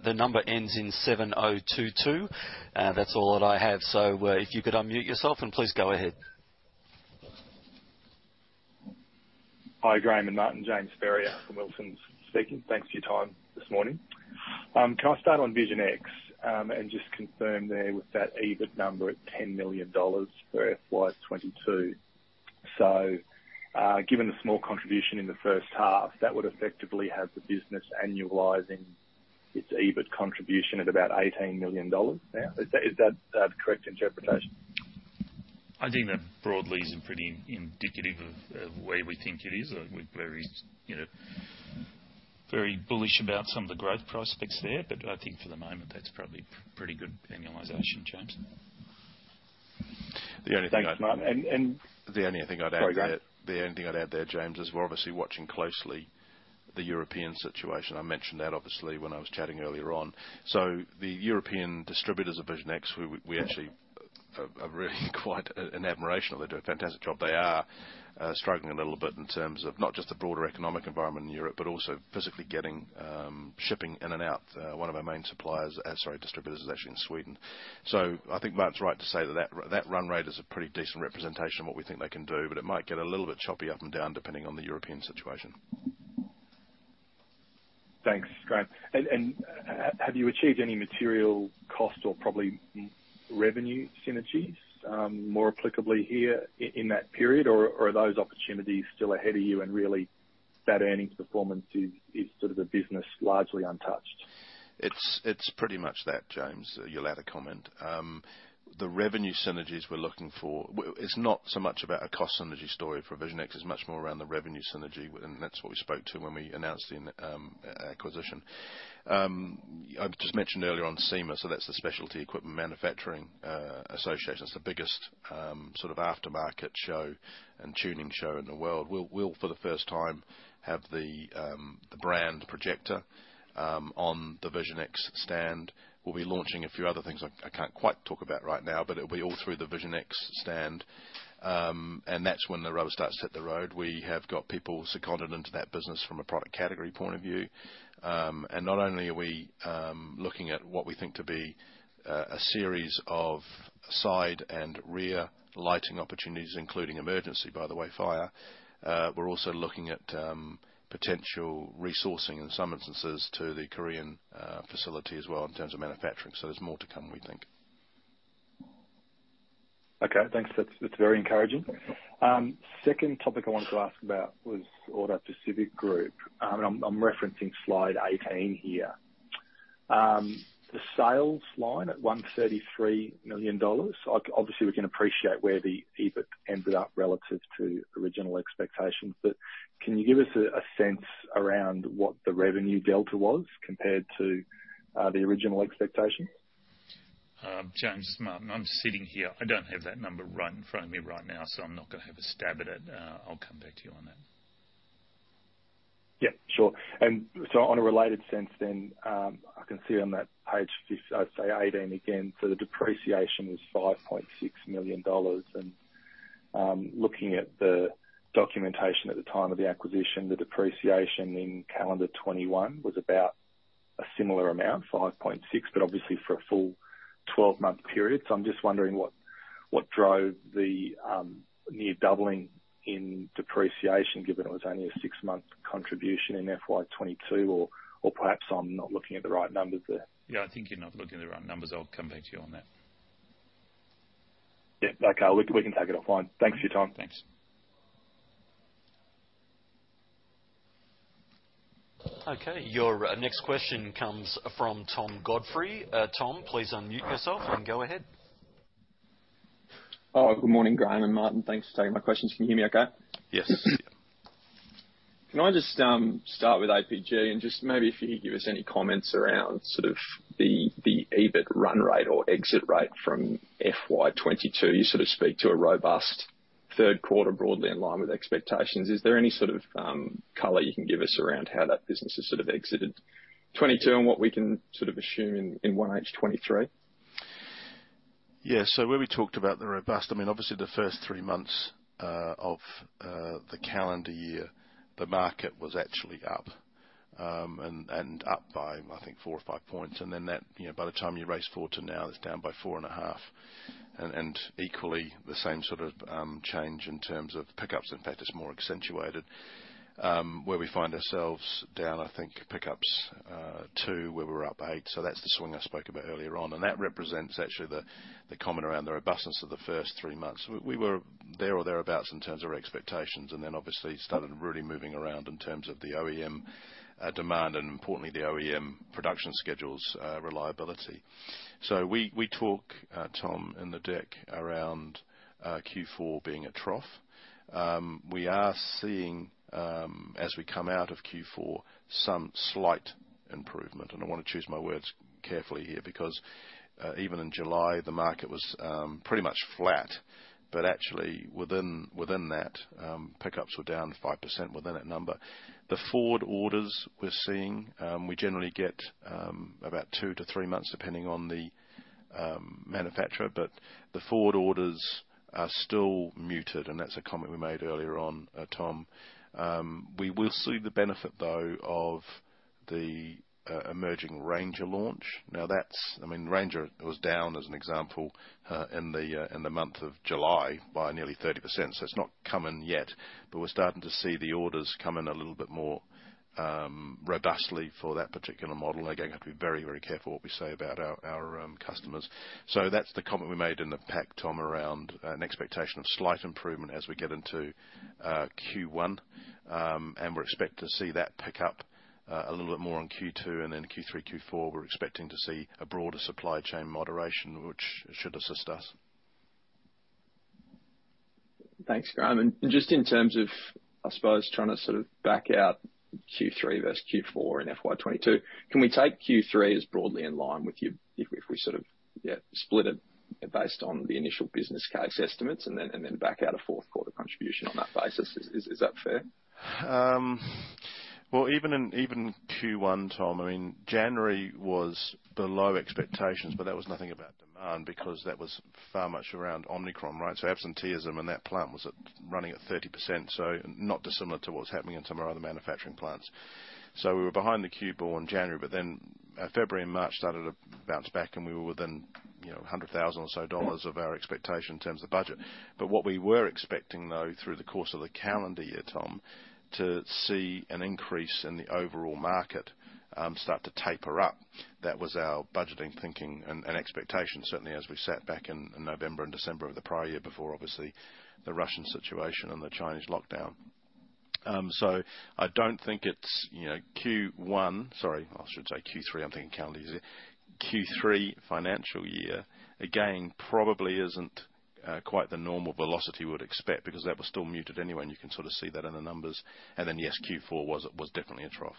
C: the number ends in 7022. That's all that I have. If you could unmute yourself, and please go ahead.
D: Hi, Graeme and Martin. James Ferrier from Wilsons speaking. Thanks for your time this morning. Can I start on Vision X and just confirm there with that EBIT number at $10 million for FY2022. Given the small contribution in the first half, that would effectively have the business annualizing its EBIT contribution at about $18 million now. Is that the correct interpretation?
B: I think that broadly is pretty indicative of where we think it is. We're very, you know, very bullish about some of the growth prospects there. I think for the moment, that's probably pretty good annualization, James.
D: Thanks, Martin.
A: The only thing I'd add there.
D: Go on, Graeme.
A: The only thing I'd add there, James, is we're obviously watching closely the European situation. I mentioned that obviously when I was chatting earlier on. The European distributors of Vision X, we actually are really quite in admiration of. They do a fantastic job. They are struggling a little bit in terms of not just the broader economic environment in Europe, but also physically getting shipping in and out. One of our main suppliers, sorry, distributors is actually in Sweden. I think Martin's right to say that run rate is a pretty decent representation of what we think they can do, but it might get a little bit choppy up and down, depending on the European situation.
D: Thanks, Graeme. Have you achieved any material cost or probably more revenue synergies, more applicably here in that period? Are those opportunities still ahead of you, and really that earnings performance is sort of the business largely untouched?
A: It's pretty much that, James. You'll add a comment. The revenue synergies we're looking for. It's not so much about a cost synergy story for Vision X. It's much more around the revenue synergy. That's what we spoke to when we announced the acquisition. I've just mentioned earlier on SEMA, so that's the Specialty Equipment Market Association. It's the biggest sort of aftermarket show and tuning show in the world. We'll for the first time have the brand Projecta on the Vision X stand. We'll be launching a few other things I can't quite talk about right now, but it'll be all through the Vision X stand. That's when the rubber starts to hit the road. We have got people seconded into that business from a product category point of view. Not only are we looking at what we think to be a series of side and rear lighting opportunities, including emergency, by the way, fire, we're also looking at potential resourcing in some instances to the Korean facility as well in terms of manufacturing. There's more to come, we think.
D: Okay, thanks. That's very encouraging. Second topic I wanted to ask about was AutoPacific Group. I'm referencing Slide 18 here. The sales line at 133 million dollars. Obviously, we can appreciate where the EBIT ended up relative to original expectations. Can you give us a sense around what the revenue delta was compared to the original expectation?
B: James, it's Martin. I'm sitting here. I don't have that number right in front of me right now, so I'm not gonna have a stab at it. I'll come back to you on that.
D: Yeah, sure. I can see on that page, I'd say, eighteen again, so the depreciation was 5.6 million dollars. Looking at the documentation at the time of the acquisition, the depreciation in calendar 2021 was about a similar amount, 5.6 million, but obviously for a full 12-month period. I'm just wondering what drove the near doubling in depreciation given it was only a 6-month contribution in FY22 or perhaps I'm not looking at the right numbers there.
A: Yeah, I think you're not looking at the right numbers. I'll come back to you on that.
B: Yeah. Okay. We can take it offline. Thanks for your time. Thanks.
C: Okay. Your next question comes from Tom Godfrey. Tom, please unmute yourself and go ahead.
E: Oh, good morning, Graeme and Martin. Thanks for taking my questions. Can you hear me okay?
A: Yes.
C: Yeah.
E: Can I just start with APG and just maybe if you could give us any comments around sort of the EBIT run rate or exit rate from FY22? You sort of speak to a robust third quarter broadly in line with expectations. Is there any sort of color you can give us around how that business has sort of exited '22 and what we can sort of assume in one H'23?
A: Where we talked about the robust, I mean, obviously the first three months of the calendar year, the market was actually up and up by, I think, four or five points. Then that, you know, by the time you race forward to now, it's down by 4.5. Equally, the same sort of change in terms of pickups. In fact, it's more accentuated, where we find ourselves down, I think, pickups, two, where we're up eight. That's the swing I spoke about earlier on. That represents actually the comment around the robustness of the first three months. We were there or thereabouts in terms of our expectations, and then obviously started really moving around in terms of the OEM demand, and importantly the OEM production schedules reliability. We talk, Tom, in the deck around Q4 being a trough. We are seeing as we come out of Q4, some slight improvement. I wanna choose my words carefully here because even in July the market was pretty much flat. Actually, within that, pickups were down 5% within that number. The forward orders we're seeing, we generally get about two to three months depending on the manufacturer. The forward orders are still muted, and that's a comment we made earlier on, Tom. We will see the benefit though of the emerging Ranger launch. Now that's, I mean, Ranger was down as an example in the month of July by nearly 30%. It's not come in yet, but we're starting to see the orders come in a little bit more robustly for that particular model. Again, have to be very, very careful what we say about our customers. That's the comment we made in the pack, Tom, around an expectation of slight improvement as we get into Q1. We expect to see that pick up a little bit more on Q2 and then Q3, Q4, we're expecting to see a broader supply chain moderation which should assist us.
E: Thanks, Graeme. Just in terms of, I suppose, trying to sort of back out Q3 versus Q4 in FY2022, can we take Q3 as broadly in line with you if we sort of, yeah, split it based on the initial business case estimates and then back out a fourth quarter contribution on that basis? Is that fair?
A: Well, even Q1, Tom, I mean January was below expectations but that was nothing about demand because that was far more around Omicron, right? Absenteeism in that plant was running at 30%. Not dissimilar to what's happening in some of our other manufacturing plants. We were behind Q4 in January but then February and March started to bounce back, and we were within, you know, 100,000 or so of our expectation in terms of budget. What we were expecting though through the course of the calendar year, Tom, to see an increase in the overall market start to taper up. That was our budgeting thinking and expectation certainly as we sat back in November and December of the prior year before obviously the Russian situation and the Chinese lockdown. I don't think it's, you know, Q1. Sorry, I should say Q3. I'm thinking of calendar years here. Q3 financial year again probably isn't quite the normal velocity you would expect because that was still muted anyway and you can sort of see that in the numbers. Yes, Q4 was definitely a trough.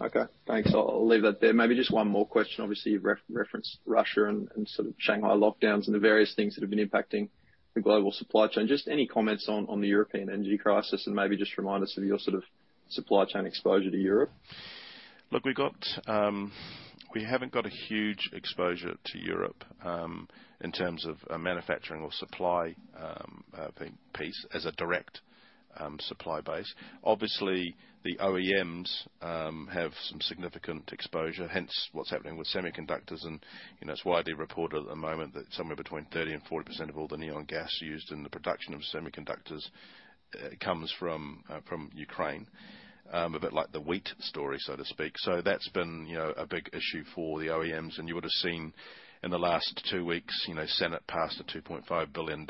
E: Okay, thanks. I'll leave that there. Maybe just one more question. Obviously, you referenced Russia and sort of Shanghai lockdowns and the various things that have been impacting the global supply chain. Just any comments on the European energy crisis and maybe just remind us of your sort of supply chain exposure to Europe?
A: We haven't got a huge exposure to Europe in terms of a manufacturing or supply thing, piece as a direct supply base. Obviously, the OEMs have some significant exposure, hence what's happening with semiconductors and, you know, it's widely reported at the moment that somewhere between 30%-40% of all the neon gas used in the production of semiconductors comes from Ukraine. A bit like the wheat story so to speak. That's been, you know, a big issue for the OEMs and you would've seen in the last two weeks, you know, U.S. Senate passed a $2.5 billion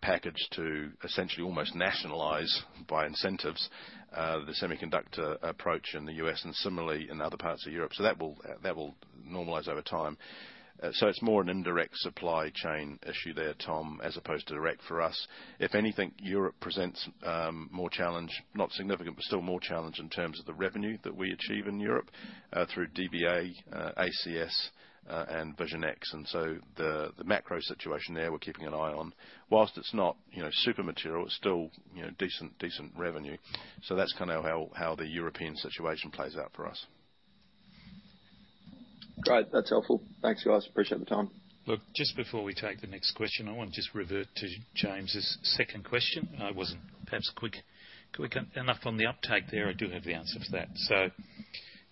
A: package to essentially almost nationalize by incentives the semiconductor approach in the U.S. and similarly in other parts of Europe. That will normalize over time. It's more an indirect supply chain issue there, Tom, as opposed to direct for us. If anything, Europe presents more challenge, not significant but still more challenge in terms of the revenue that we achieve in Europe through DBA, ACS, and Vision X. The macro situation there we're keeping an eye on. While it's not, you know, super material it's still, you know, decent revenue. That's kind of how the European situation plays out for us.
E: Great. That's helpful. Thanks guys, appreciate the time.
B: Look, just before we take the next question I want to just revert to James' second question. I wasn't perhaps quick enough on the uptake there. I do have the answer to that.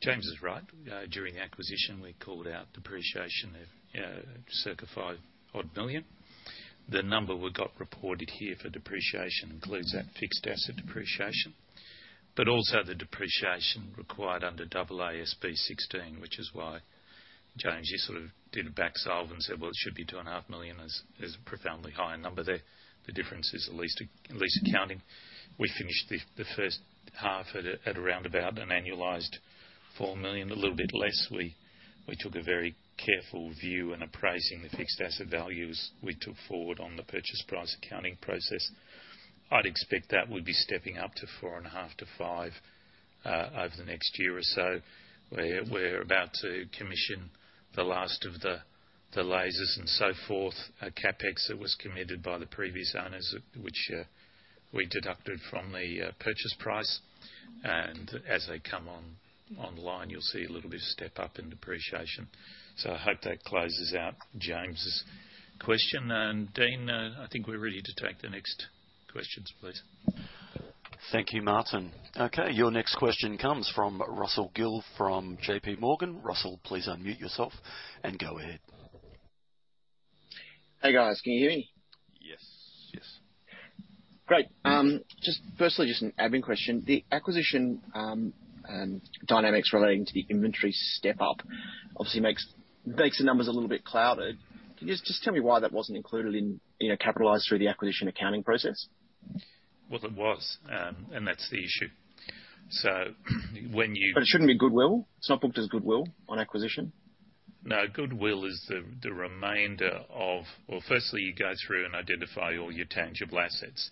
B: James is right. During the acquisition we called out depreciation of circa 5 million. The number we've got reported here for depreciation includes that fixed asset depreciation but also the depreciation required under AASB 16 which is why, James, you sort of did a back solve and said well it should be 2.5 million is a profoundly higher number there. The difference is at least accounting. We finished the first half at around about an annualized 4 million, a little bit less. We took a very careful view in appraising the fixed asset values we took forward on the purchase price accounting process.
A: I'd expect that would be stepping up to 4.5%-5% over the next year or so. We're about to commission the last of the
B: The lasers and so forth are CapEx that was committed by the previous owners, which we deducted from the purchase price. As they come online, you'll see a little bit of step up in depreciation. I hope that closes out James' question. Dean, I think we're ready to take the next questions, please.
C: Thank you, Martin. Okay, your next question comes from Russell Gill from J.P. Morgan. Russell, please unmute yourself and go ahead.
F: Hey, guys, can you hear me?
C: Yes. Yes.
F: Great. Just firstly, just an admin question. The acquisition dynamics relating to the inventory step up obviously makes the numbers a little bit clouded. Can you just tell me why that wasn't included in, you know, capitalized through the acquisition accounting process?
B: Well, it was, and that's the issue. When you-
F: It shouldn't be goodwill. It's not booked as goodwill on acquisition.
B: No, goodwill is the remainder. Well, firstly, you go through and identify all your tangible assets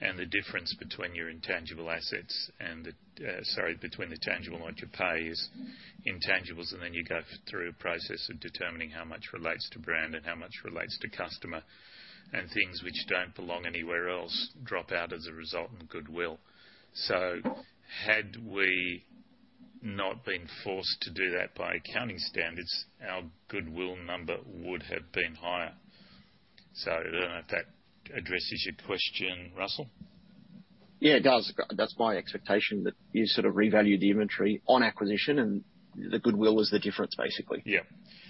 B: and the difference between the tangible and what you pay is intangibles, and then you go through a process of determining how much relates to brand and how much relates to customer. Things which don't belong anywhere else drop out as a result in goodwill. Had we not been forced to do that by accounting standards, our goodwill number would have been higher. I don't know if that addresses your question, Russell.
F: Yeah, it does. That's my expectation, that you sort of revalue the inventory on acquisition and the goodwill is the difference, basically.
B: Yeah.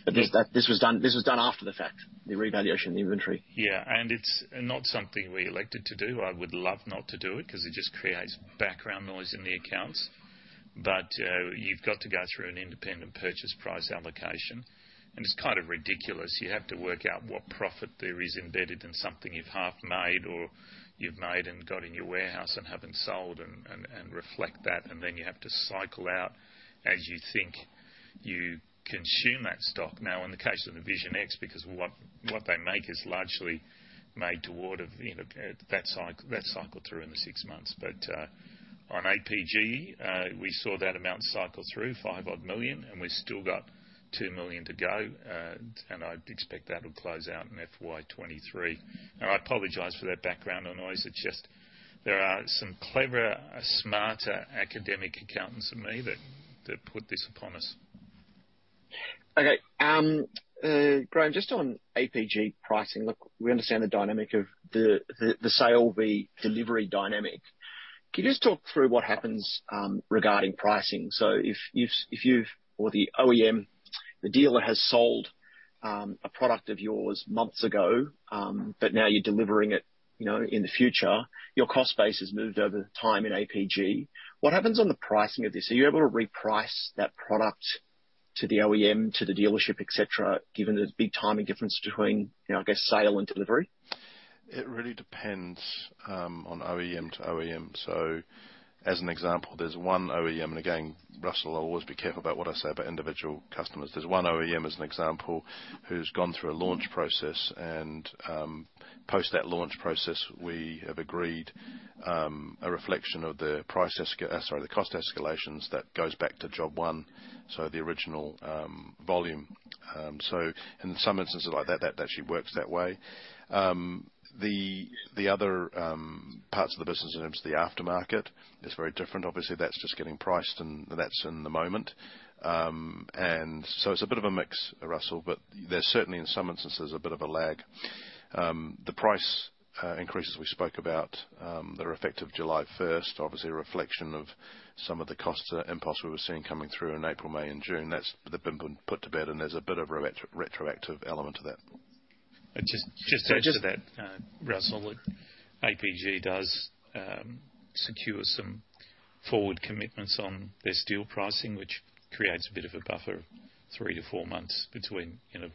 F: This was done after the fact, the revaluation of the inventory.
B: Yeah. It's not something we elected to do. I would love not to do it because it just creates background noise in the accounts. You've got to go through an independent purchase price allocation, and it's kind of ridiculous. You have to work out what profit there is embedded in something you've half made, or you've made and got in your warehouse and haven't sold and reflect that. Then you have to cycle out as you think you consume that stock. Now, in the case of the Vision X, because what they make is largely made to order, you know, that cycled through in the six months. On APG, we saw that amount cycle through, 5 odd million, and we still got 2 million to go. I'd expect that'll close out in FY 2023. I apologize for that background noise. It's just there are some clever, smarter academic accountants than me that put this upon us.
F: Okay. Graeme, just on APG pricing. Look, we understand the dynamic of the sale, the delivery dynamic. Can you just talk through what happens regarding pricing? If you've or the OEM, the dealer has sold a product of your months ago, but now you're delivering it, you know, in the future, your cost base has moved over time in APG. What happens on the pricing of this? Are you able to reprice that product to the OEM, to the dealership, et cetera, given the big timing difference between, you know, I guess, sale and delivery?
A: It really depends on OEM to OEM. As an example, there's one OEM, and again, Russell, I'll always be careful about what I say about individual customers. There's one OEM as an example, who's gone through a launch process and, post that launch process, we have agreed a reflection of the cost escalations that goes back to job one, so the original volume. In some instances like that actually works that way. The other parts of the business in terms of the aftermarket is very different. Obviously, that's just getting priced and that's in the moment. It's a bit of a mix, Russell, but there's certainly, in some instances, a bit of a lag. The price increases we spoke about that are effective July first, obviously a reflection of some of the cost impacts we were seeing coming through in April, May and June. That's been put to bed and there's a bit of retroactive element to that.
B: Just to add to that, Russell, APG does secure some forward commitments on their steel pricing, which creates a bit of a buffer of three to four months between, you know,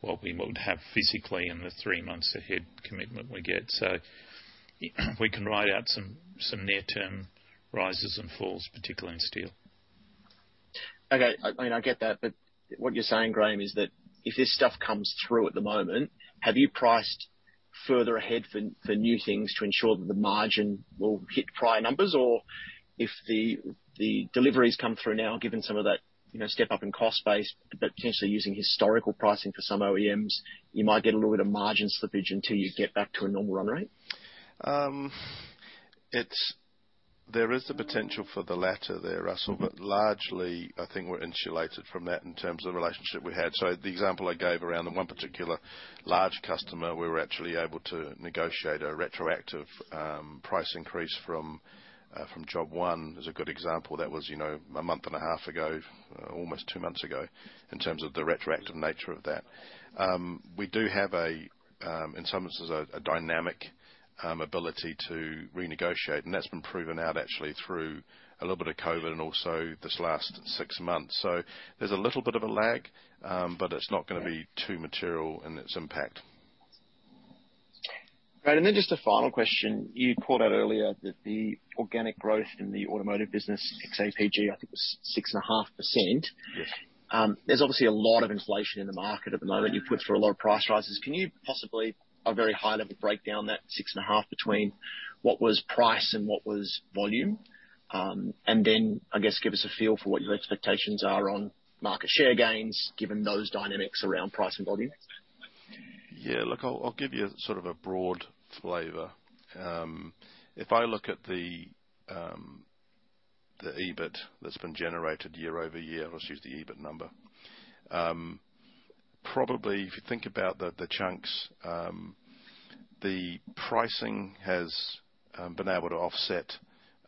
B: what we would have physically in the three months ahead commitment we get. We can ride out some near-term rises and falls, particularly in steel.
F: Okay. I mean, I get that, but what you're saying, Graeme, is that if this stuff comes through at the moment, have you priced further ahead for new things to ensure that the margin will hit prior numbers? Or if the deliveries come through now, given some of that, you know, step up in cost base, but potentially using historical pricing for some OEMs, you might get a little bit of margin slippage until you get back to a normal run rate.
A: There is the potential for the latter there, Russell, but largely I think we're insulated from that in terms of the relationship we have. The example I gave around the one particular large customer, we were actually able to negotiate a retroactive price increase from job one is a good example. That was, you know, a month and a half ago, almost two months ago, in terms of the retroactive nature of that. We do have, in some instances, a dynamic ability to renegotiate, and that's been proven out actually through a little bit of COVID and also this last six months. There's a little bit of a lag, but it's not going to be too material in its impact.
F: Right. Just a final question. You called out earlier that the organic growth in the automotive business, ex APG, I think was 6.5%.
A: Yes.
F: There's obviously a lot of inflation in the market at the moment. You've put through a lot of price rises. Can you possibly, at a very high level, break down that 6.5% between what was price and what was volume? I guess, give us a feel for what your expectations are on market share gains, given those dynamics around price and volume.
A: Yeah, look, I'll give you sort of a broad flavor. If I look at the EBIT that's been generated year over year, I'll just use the EBIT number. Probably if you think about the chunks, the pricing has been able to offset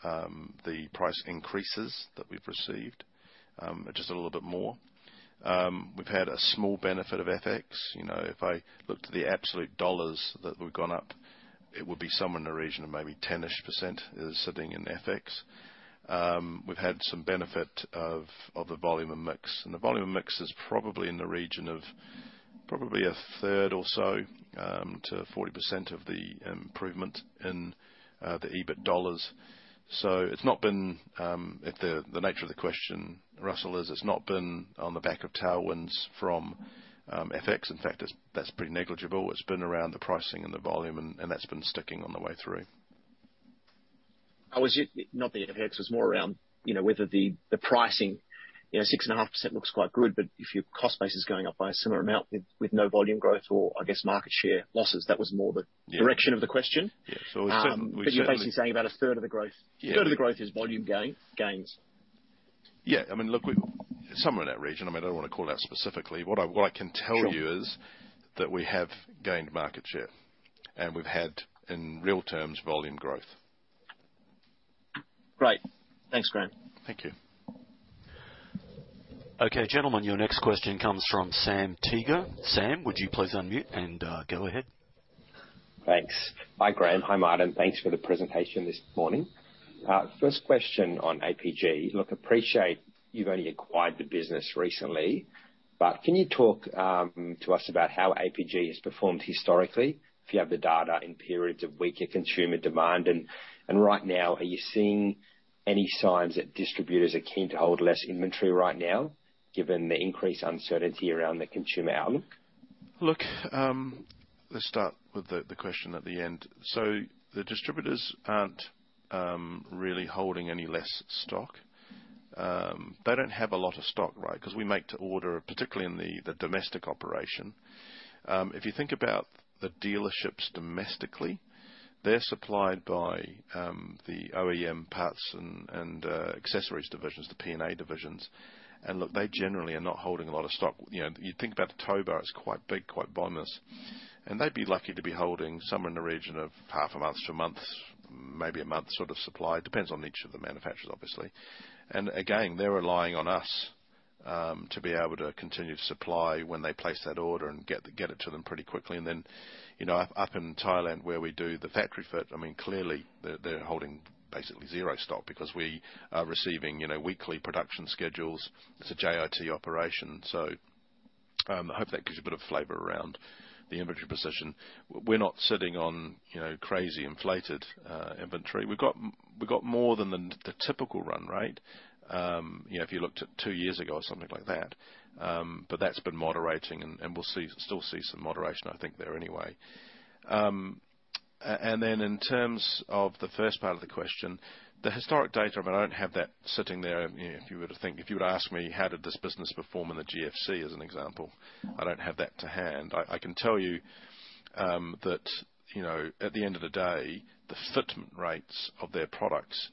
A: the price increases that we've received just a little bit more. We've had a small benefit of FX. You know, if I look to the absolute dollars that we've gone up, it would be somewhere in the region of maybe 10-ish% is sitting in FX. We've had some benefit of the volume and mix, and the volume mix is probably in the region of probably a third or so to 40% of the improvement in the EBIT dollars. If the nature of the question, Russell, is it's not been on the back of tailwinds from FX. In fact, that's pretty negligible. It's been around the pricing and the volume and that's been sticking on the way through.
F: I was not the FX. It's more around, you know, whether the pricing, you know 6.5% looks quite good, but if your cost base is going up by a similar amount with no volume growth or I guess market share losses, that was more the
A: Yeah.
F: direction of the question.
A: We're certainly.
F: You're basically saying about a third of the growth.
A: Yeah.
F: A third of the growth is volume gains.
A: Yeah. I mean, look, we're somewhere in that region. I mean, I don't wanna call it out specifically. What I can tell you is.
F: Sure
A: that we have gained market share, and we've had, in real terms, volume growth.
F: Great. Thanks, Graeme.
A: Thank you.
C: Okay, gentlemen, your next question comes from Sam Teeger. Sam, would you please unmute and go ahead?
G: Thanks. Hi, Graeme. Hi, Martin. Thanks for the presentation this morning. First question on APG. Look, appreciate you've only acquired the business recently, but can you talk to us about how APG has performed historically, if you have the data, in periods of weaker consumer demand? Right now, are you seeing any signs that distributors are keen to hold less inventory right now given the increased uncertainty around the consumer outlook?
A: Look, let's start with the question at the end. The distributors aren't really holding any less stock. They don't have a lot of stock, right? 'Cause we make to order, particularly in the domestic operation. If you think about the dealerships domestically, they're supplied by the OEM parts and accessories divisions, the P&A divisions. Look, they generally are not holding a lot of stock. You know, you think about the tow bar, it's quite big, quite voluminous, and they'd be lucky to be holding somewhere in the region of half a month to a month, maybe a month sort of supply. Depends on each of the manufacturers, obviously. Again, they're relying on us to be able to continue to supply when they place that order and get it to them pretty quickly. You know, up in Thailand where we do the factory fit, I mean, clearly, they're holding basically zero stock because we are receiving, you know, weekly production schedules. It's a JIT operation. I hope that gives you a bit of flavor around the inventory position. We're not sitting on, you know, crazy inflated inventory. We've got more than the typical run rate. You know, if you looked at two years ago or something like that. But that's been moderating and we'll see still some moderation, I think there anyway. In terms of the first part of the question, the historic data, but I don't have that sitting there. You know, if you were to think, if you were to ask me how did this business perform in the GFC, as an example, I don't have that to hand. I can tell you know, at the end of the day, the fitment rates of their products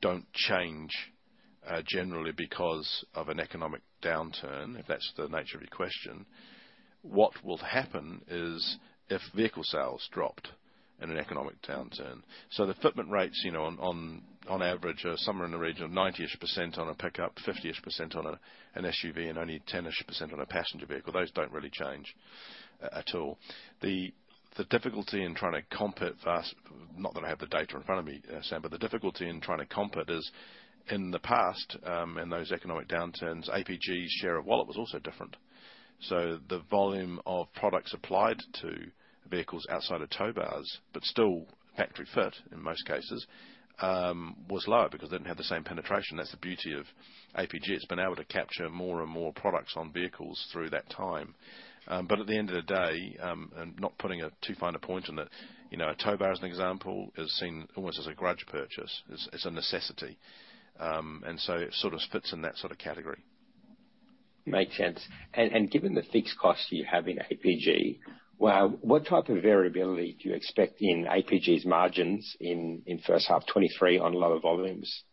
A: don't change generally because of an economic downturn, if that's the nature of your question. What will happen is if vehicle sales dropped in an economic downturn. The fitment rates, you know, on average are somewhere in the region of 90-ish% on a pickup, 50-ish% on an SUV, and only 10-ish% on a passenger vehicle. Those don't really change at all. The difficulty in trying to comp it for us, not that I have the data in front of me, Sam, but the difficulty in trying to comp it is in the past, in those economic downturns, APG's share of wallet was also different. The volume of products applied to vehicles outside of tow bars, but still factory fit in most cases, was lower because they didn't have the same penetration. That's the beauty of APG. It's been able to capture more and more products on vehicles through that time. But at the end of the day, and not putting too fine a point on it, you know, a tow bar, as an example, is seen almost as a grudge purchase. It's a necessity. It sort of fits in that sort of category.
G: Makes sense. Given the fixed costs you have in APG, well, what type of variability do you expect in APG's margins in first half 2023 on lower volumes?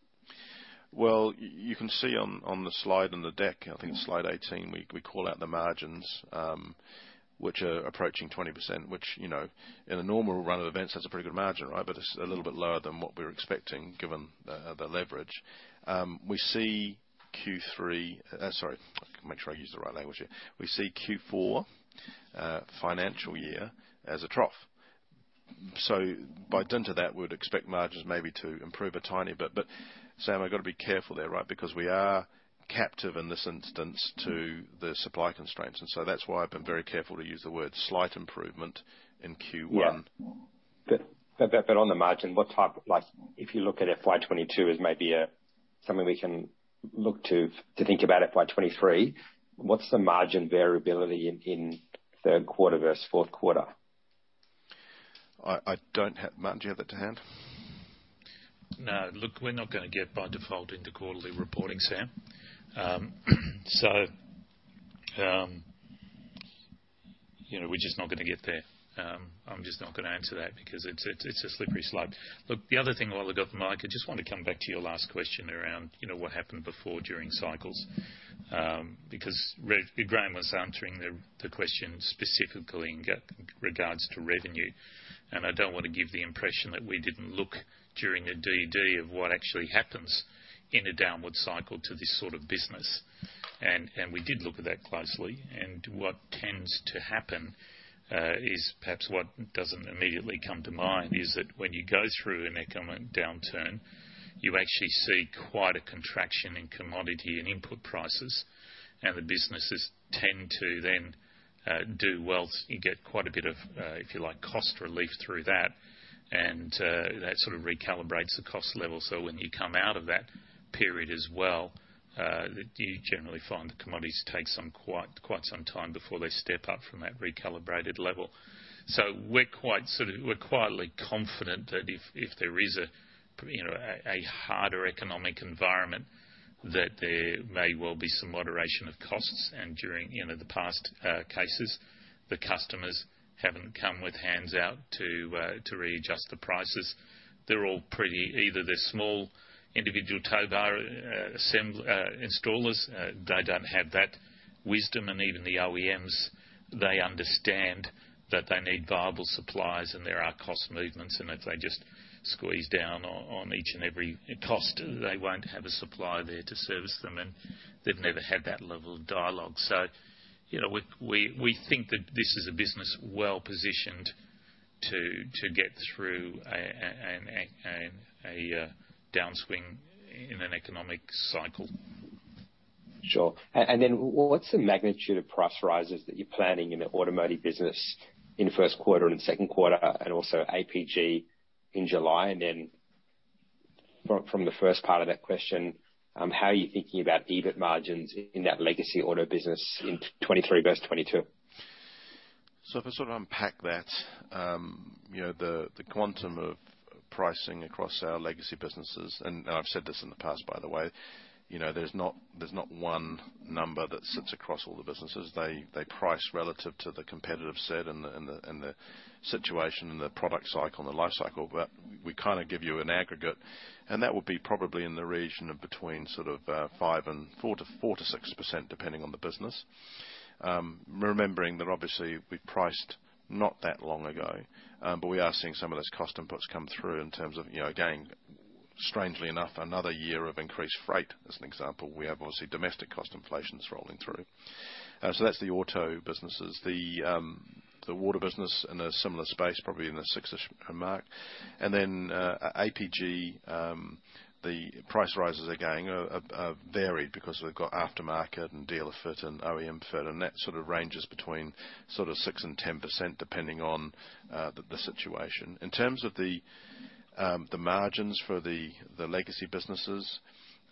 A: Well, you can see on the slide in the deck, I think Slide 18, we call out the margins, which are approaching 20%, which, you know, in a normal run of events, that's a pretty good margin, right? It's a little bit lower than what we're expecting given the leverage. We see Q4 financial year as a trough. By dint of that, we'd expect margins maybe to improve a tiny bit. Sam, I've gotta be careful there, right? Because we are captive in this instance to the supply constraints, and so that's why I've been very careful to use the word slight improvement in Q1.
G: On the margin, like, if you look at FY2022 as maybe a something we can look to think about FY2023, what's the margin variability in third quarter versus fourth quarter?
A: Martin, do you have that to hand?
B: No. Look, we're not gonna get by default into quarterly reporting, Sam. We're just not gonna get there. I'm just not gonna answer that because it's a slippery slope. Look, the other thing while I've got the mic, I just wanna come back to your last question around what happened before during cycles. Because Graeme was answering the question specifically in regard to revenue. I don't wanna give the impression that we didn't look during the DD of what actually happens in a downward cycle to this sort of business. We did look at that closely. What tends to happen is perhaps what doesn't immediately come to mind, is that when you go through an economic downturn, you actually see quite a contraction in commodity and input prices. The businesses tend to then do well. You get quite a bit of, if you like, cost relief through that. That sort of recalibrates the cost level. When you come out of that period as well, you generally find the commodities take some quite some time before they step up from that recalibrated level. We're quietly confident that if there is, you know, a harder economic environment, that there may well be some moderation of costs. During, you know, the past cases, the customers haven't come with hands out to readjust the prices. They're all pretty Either they're small individual tow bar assembly installers, they don't have that wisdom and even the OEMs. They understand that they need viable suppliers, and there are cost movements, and if they just squeeze down on each and every cost, they won't have a supplier there to service them. They've never had that level of dialogue. You know, we think that this is a business well-positioned to get through a downswing in an economic cycle.
G: Sure. What's the magnitude of price rises that you're planning in the automotive business in first quarter and second quarter, and also APG in July? From the first part of that question, how are you thinking about EBIT margins in that legacy auto business in 2023 versus 2022?
A: If I sort of unpack that, you know, the quantum of pricing across our legacy businesses, and I've said this in the past, by the way, you know, there's not one number that sits across all the businesses. They price relative to the competitive set and the situation and the product cycle and the life cycle. But we kinda give you an aggregate, and that would be probably in the region of between 4%-6%, depending on the business. Remembering that obviously we priced not that long ago, but we are seeing some of those cost inputs come through in terms of, you know, again, strangely enough, another year of increased freight as an example. We have, obviously, domestic cost inflations rolling through. That's the auto businesses. The water business in a similar space, probably in the 6%-ish mark. Then, APG, the price rises again are varied because we've got aftermarket and dealer fit and OEM fit, and that sort of ranges between sort of 6% and 10% depending on the situation. In terms of the margins for the legacy businesses,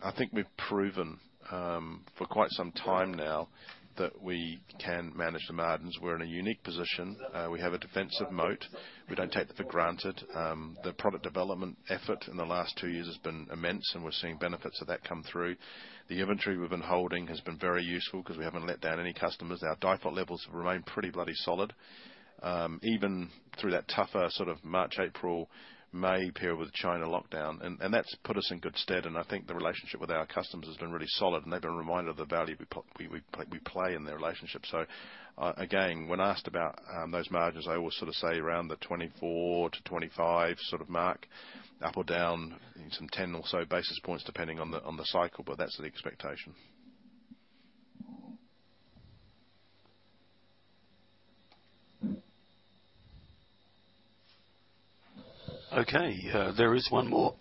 A: I think we've proven for quite some time now that we can manage the margins. We're in a unique position. We have a defensive moat. We don't take that for granted. The product development effort in the last two years has been immense, and we're seeing benefits of that come through. The inventory we've been holding has been very useful 'cause we haven't let down any customers. Our DIFOT levels have remained pretty bloody solid, even through that tougher sort of March, April, May period with China lockdown. That's put us in good stead, and I think the relationship with our customers has been really solid and they've been reminded of the value we play in the relationship. Again, when asked about those margins, I always sort of say around the 24%-25% sort of mark, up or down some 10 or so basis points depending on the cycle, but that's the expectation.
C: Okay. There is one more.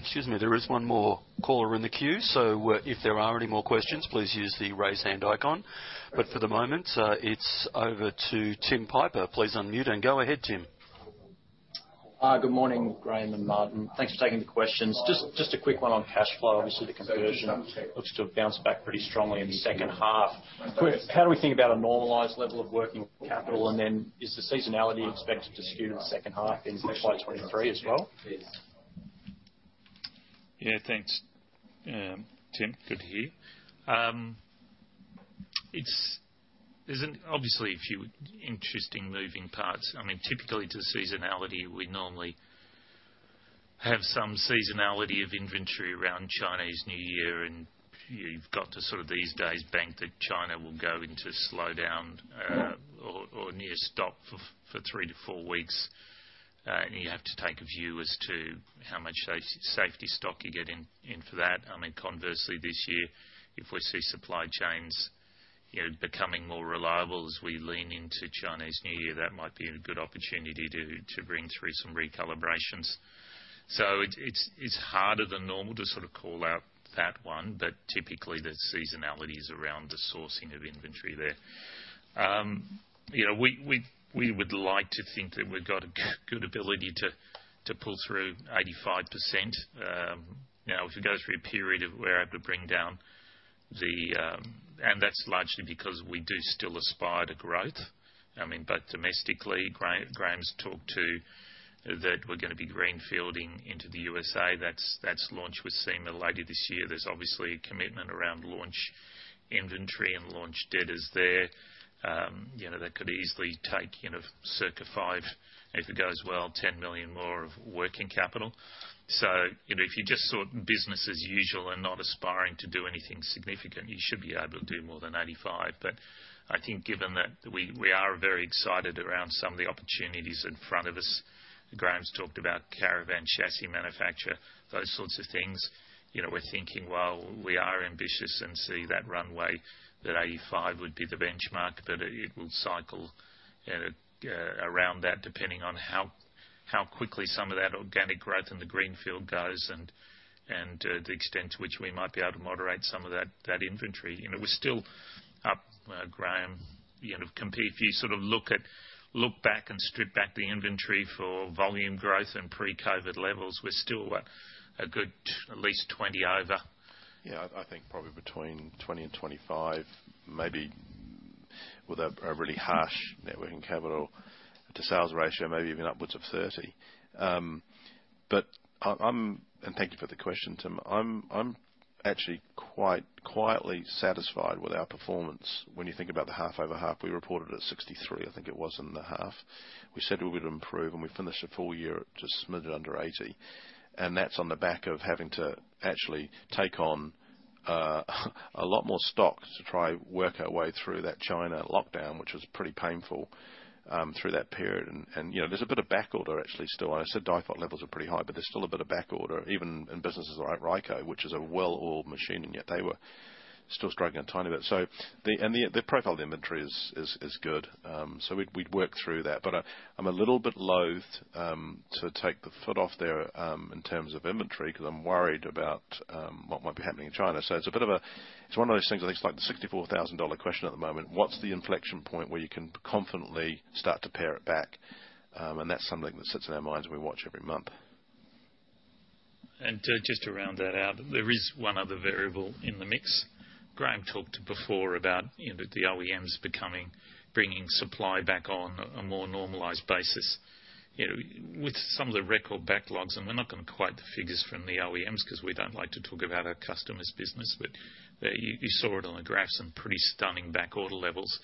C: Excuse me. There is one more caller in the queue, so if there are any more questions, please use the Raise Hand icon. But for the moment, it's over to Tim Piper. Please unmute and go ahead, Tim.
H: Good morning, Graeme and Martin. Thanks for taking the questions. Just a quick one on cash flow. Obviously, the conversion looks to have bounced back pretty strongly in the second half. Quick, how do we think about a normalized level of working capital? Is the seasonality expected to skew the second half in financial 2023 as well?
B: Yeah, thanks, Tim. Good to hear. There's obviously a few interesting moving parts. I mean, typically due to seasonality, we normally have some seasonality of inventory around Chinese New Year, and you've got to sort of these days bank that China will go into slowdown, or near stop for three to four weeks. You have to take a view as to how much safety stock you get in for that. I mean, conversely this year, if we see supply chains, you know, becoming more reliable as we lean into Chinese New Year. That might be a good opportunity to bring through some recalibrations. It's harder than normal to sort of call out that one. Typically, there's seasonality around the sourcing of inventory there. You know, we would like to think that we've got a good ability to pull through 85%. That's largely because we do still aspire to growth. I mean, domestically, Graeme's talked about that we're gonna be greenfielding into the USA. That's the launch we're seeing later this year. There's obviously a commitment around launch inventory and launch debtors there. You know, that could easily take, you know, circa 5 million, if it goes well, 10 million more of working capital. You know, if you just thought business as usual and not aspiring to do anything significant, you should be able to do more than 85%. I think given that we are very excited around some of the opportunities in front of us, Graeme's talked about caravan chassis manufacture, those sorts of things, you know, we're thinking, well, we are ambitious and see that runway, that 85 would be the benchmark. It will cycle, you know, around that depending on how quickly some of that organic growth in the greenfield goes and the extent to which we might be able to moderate some of that inventory. You know, we're still up, Graeme, you know, if you sort of look back and strip back the inventory for volume growth and pre-COVID levels, we're still, what, a good at least 20% over.
A: Yeah. I think probably between 20%-25%, maybe with a really harsh net working capital to sales ratio, maybe even upwards of 30%. Thank you for the question, Tim. I'm actually quite quietly satisfied with our performance when you think about the half-over-half. We reported at 63%, I think it was in the half. We said we would improve, and we finished the full year at just smidge under 80%. That's on the back of having to actually take on a lot more stock to try to work our way through that China lockdown, which was pretty painful through that period. You know, there's a bit of backorder actually still. I said the fault levels are pretty high, but there's still a bit of backorder even in businesses like Ryco, which is a well-oiled machine, and yet they were still struggling a tiny bit. The profile of the inventory is good. We'd work through that. I'm a little bit loath to take the foot off there in terms of inventory, 'cause I'm worried about what might be happening in China. It's one of those things. I think it's like the $64,000 question at the moment. What's the inflection point where you can confidently start to pare it back? That's something that sits in our minds and we watch every month.
B: Just to round that out, there is one other variable in the mix. Graeme talked before about, you know, the OEMs bringing supply back on a more normalized basis. You know, with some of the record backlogs, and we're not gonna quote the figures from the OEMs 'cause we don't like to talk about our customers' business. You saw it on the graphs, some pretty stunning backorder levels.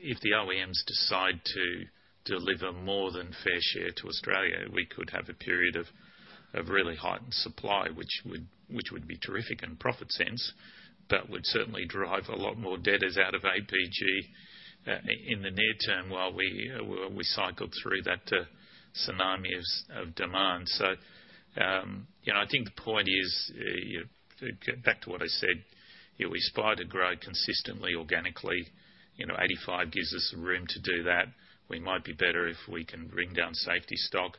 B: If the OEMs decide to deliver more than fair share to Australia, we could have a period of really heightened supply, which would be terrific in profit sense, but would certainly drive a lot more debtors out of APG in the near term while we cycle through that tsunami of demand. I think the point is, you know, get back to what I said, you know, we aspire to grow consistently organically. You know, 85% gives us room to do that. We might be better if we can bring down safety stock.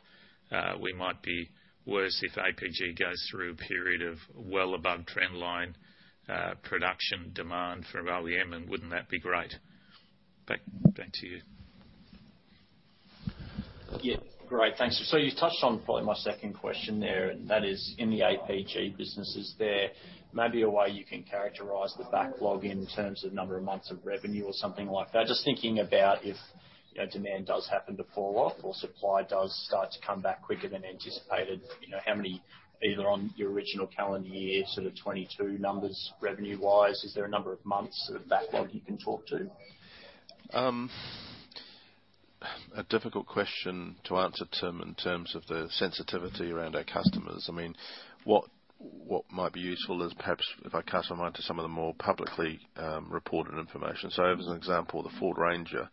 B: We might be worse if APG goes through a period of well above trend line production demand from OEM, and wouldn't that be great? Back to you.
H: Yeah. Great. Thanks. You touched on probably my second question there, and that is in the APG businesses, there may be a way you can characterize the backlog in terms of number of months of revenue or something like that. Just thinking about if, you know, demand does happen to fall off or supply does start to come back quicker than anticipated, you know, how many, either on your original calendar year, sort of 2022 numbers revenue-wise, is there a number of months of backlog you can talk to?
A: A difficult question to answer, Tim, in terms of the sensitivity around our customers. I mean, what might be useful is perhaps if I cast our mind to some of the more publicly reported information. As an example, the Ford Ranger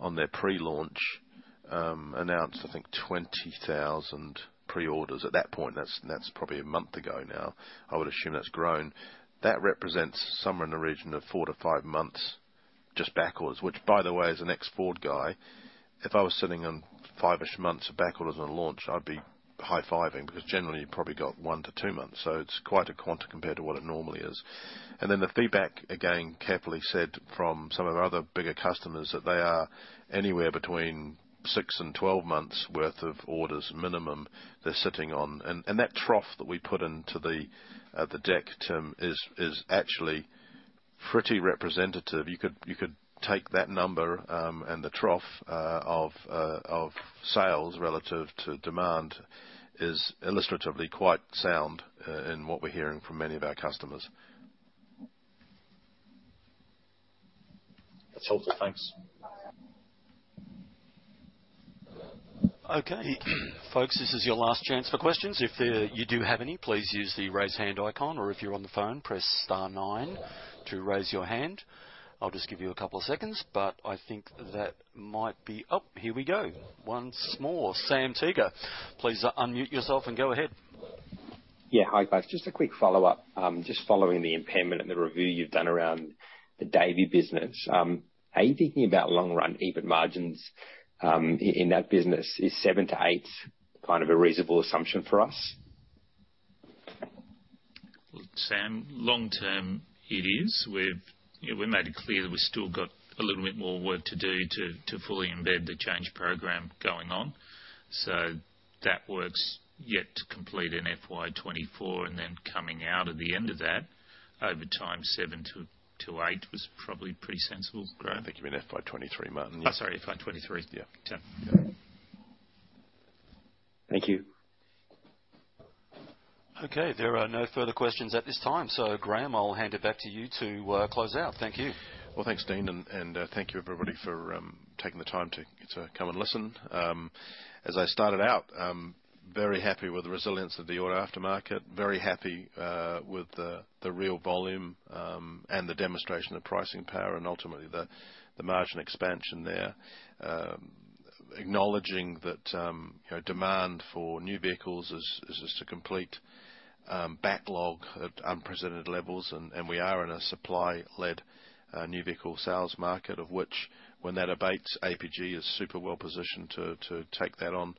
A: on their pre-launch announced, I think, 20,000 pre-orders. At that point, that's probably a month ago now. I would assume that's grown. That represents somewhere in the region of four to five months just backorders, which by the way, as an ex-Ford guy, if I was sitting on five-ish months of backorders on launch, I'd be high-fiving because generally you've probably got one to two months. It's quite a quantum compared to what it normally is. The feedback, again, carefully said from some of our other bigger customers, that they are anywhere between 6 and 12 months worth of orders minimum they're sitting on. That trough we put into the deck, Tim, is actually pretty representative. You could take that number, and the trough of sales relative to demand is illustratively quite sound in what we're hearing from many of our customers.
H: That's all good. Thanks.
C: Okay. Folks, this is your last chance for questions. If you do have any, please use the Raise Hand icon, or if you're on the phone, press star nine to raise your hand. I'll just give you a couple of seconds, but I think that might be. Oh, here we go. One small. Sam Teeger, please unmute yourself and go ahead.
G: Yeah. Hi guys, just a quick follow-up. Just following the impairment and the review you've done around the Davey business. How are you thinking about long run EBIT margins in that business? Is 7%-8% kind of a reasonable assumption for us?
B: Well, Sam, long term, it is. We've, you know, we made it clear that we've still got a little bit more work to do to fully embed the change program going on. That work's yet to complete in FY2024, and then coming out at the end of that, over time, 7%-8% was probably pretty sensible growth.
A: I think you mean FY2023, Martin.
B: Oh, sorry, FY2023.
A: Yeah.
B: Okay.
G: Thank you.
C: Okay, there are no further questions at this time, so Graeme, I'll hand it back to you to close out. Thank you.
A: Well, thanks Dean, and thank you everybody for taking the time to come and listen. As I started out, very happy with the resilience of the auto aftermarket. Very happy with the real volume and the demonstration of pricing power and ultimately the margin expansion there. Acknowledging that, you know, demand for new vehicles is just a complete backlog at unprecedented levels, and we are in a supply-led new vehicle sales market, of which when that abates, APG is super well positioned to take that on.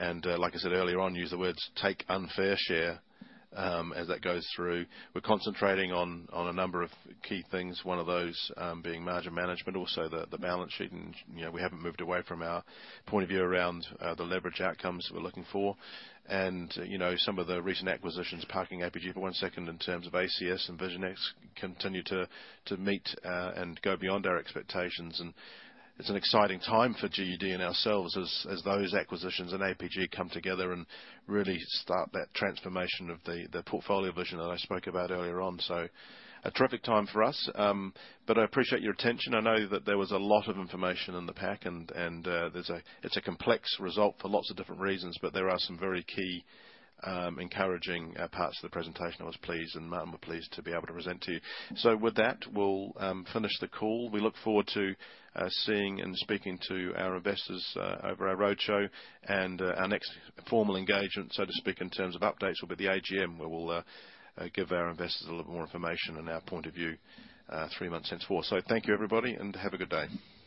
A: Like I said earlier on, use the words take unfair share as that goes through. We're concentrating on a number of key things, one of those being margin management, also the balance sheet. You know, we haven't moved away from our point of view around the leverage outcomes we're looking for. You know, some of the recent acquisitions, parking APG for one second in terms of ACS and Vision X, continue to meet and go beyond our expectations. It's an exciting time for GUD and ourselves as those acquisitions and APG come together and really start that transformation of the portfolio vision that I spoke about earlier on. A terrific time for us. But I appreciate your attention. I know that there was a lot of information in the pack, and it's a complex result for lots of different reasons, but there are some very key encouraging parts to the presentation. I was pleased, and Martin were pleased to be able to present to you. With that, we'll finish the call. We look forward to seeing and speaking to our investors over our roadshow. Our next formal engagement, so to speak, in terms of updates, will be the AGM, where we'll give our investors a little more information on our point of view three months henceforth. Thank you everybody, and have a good day.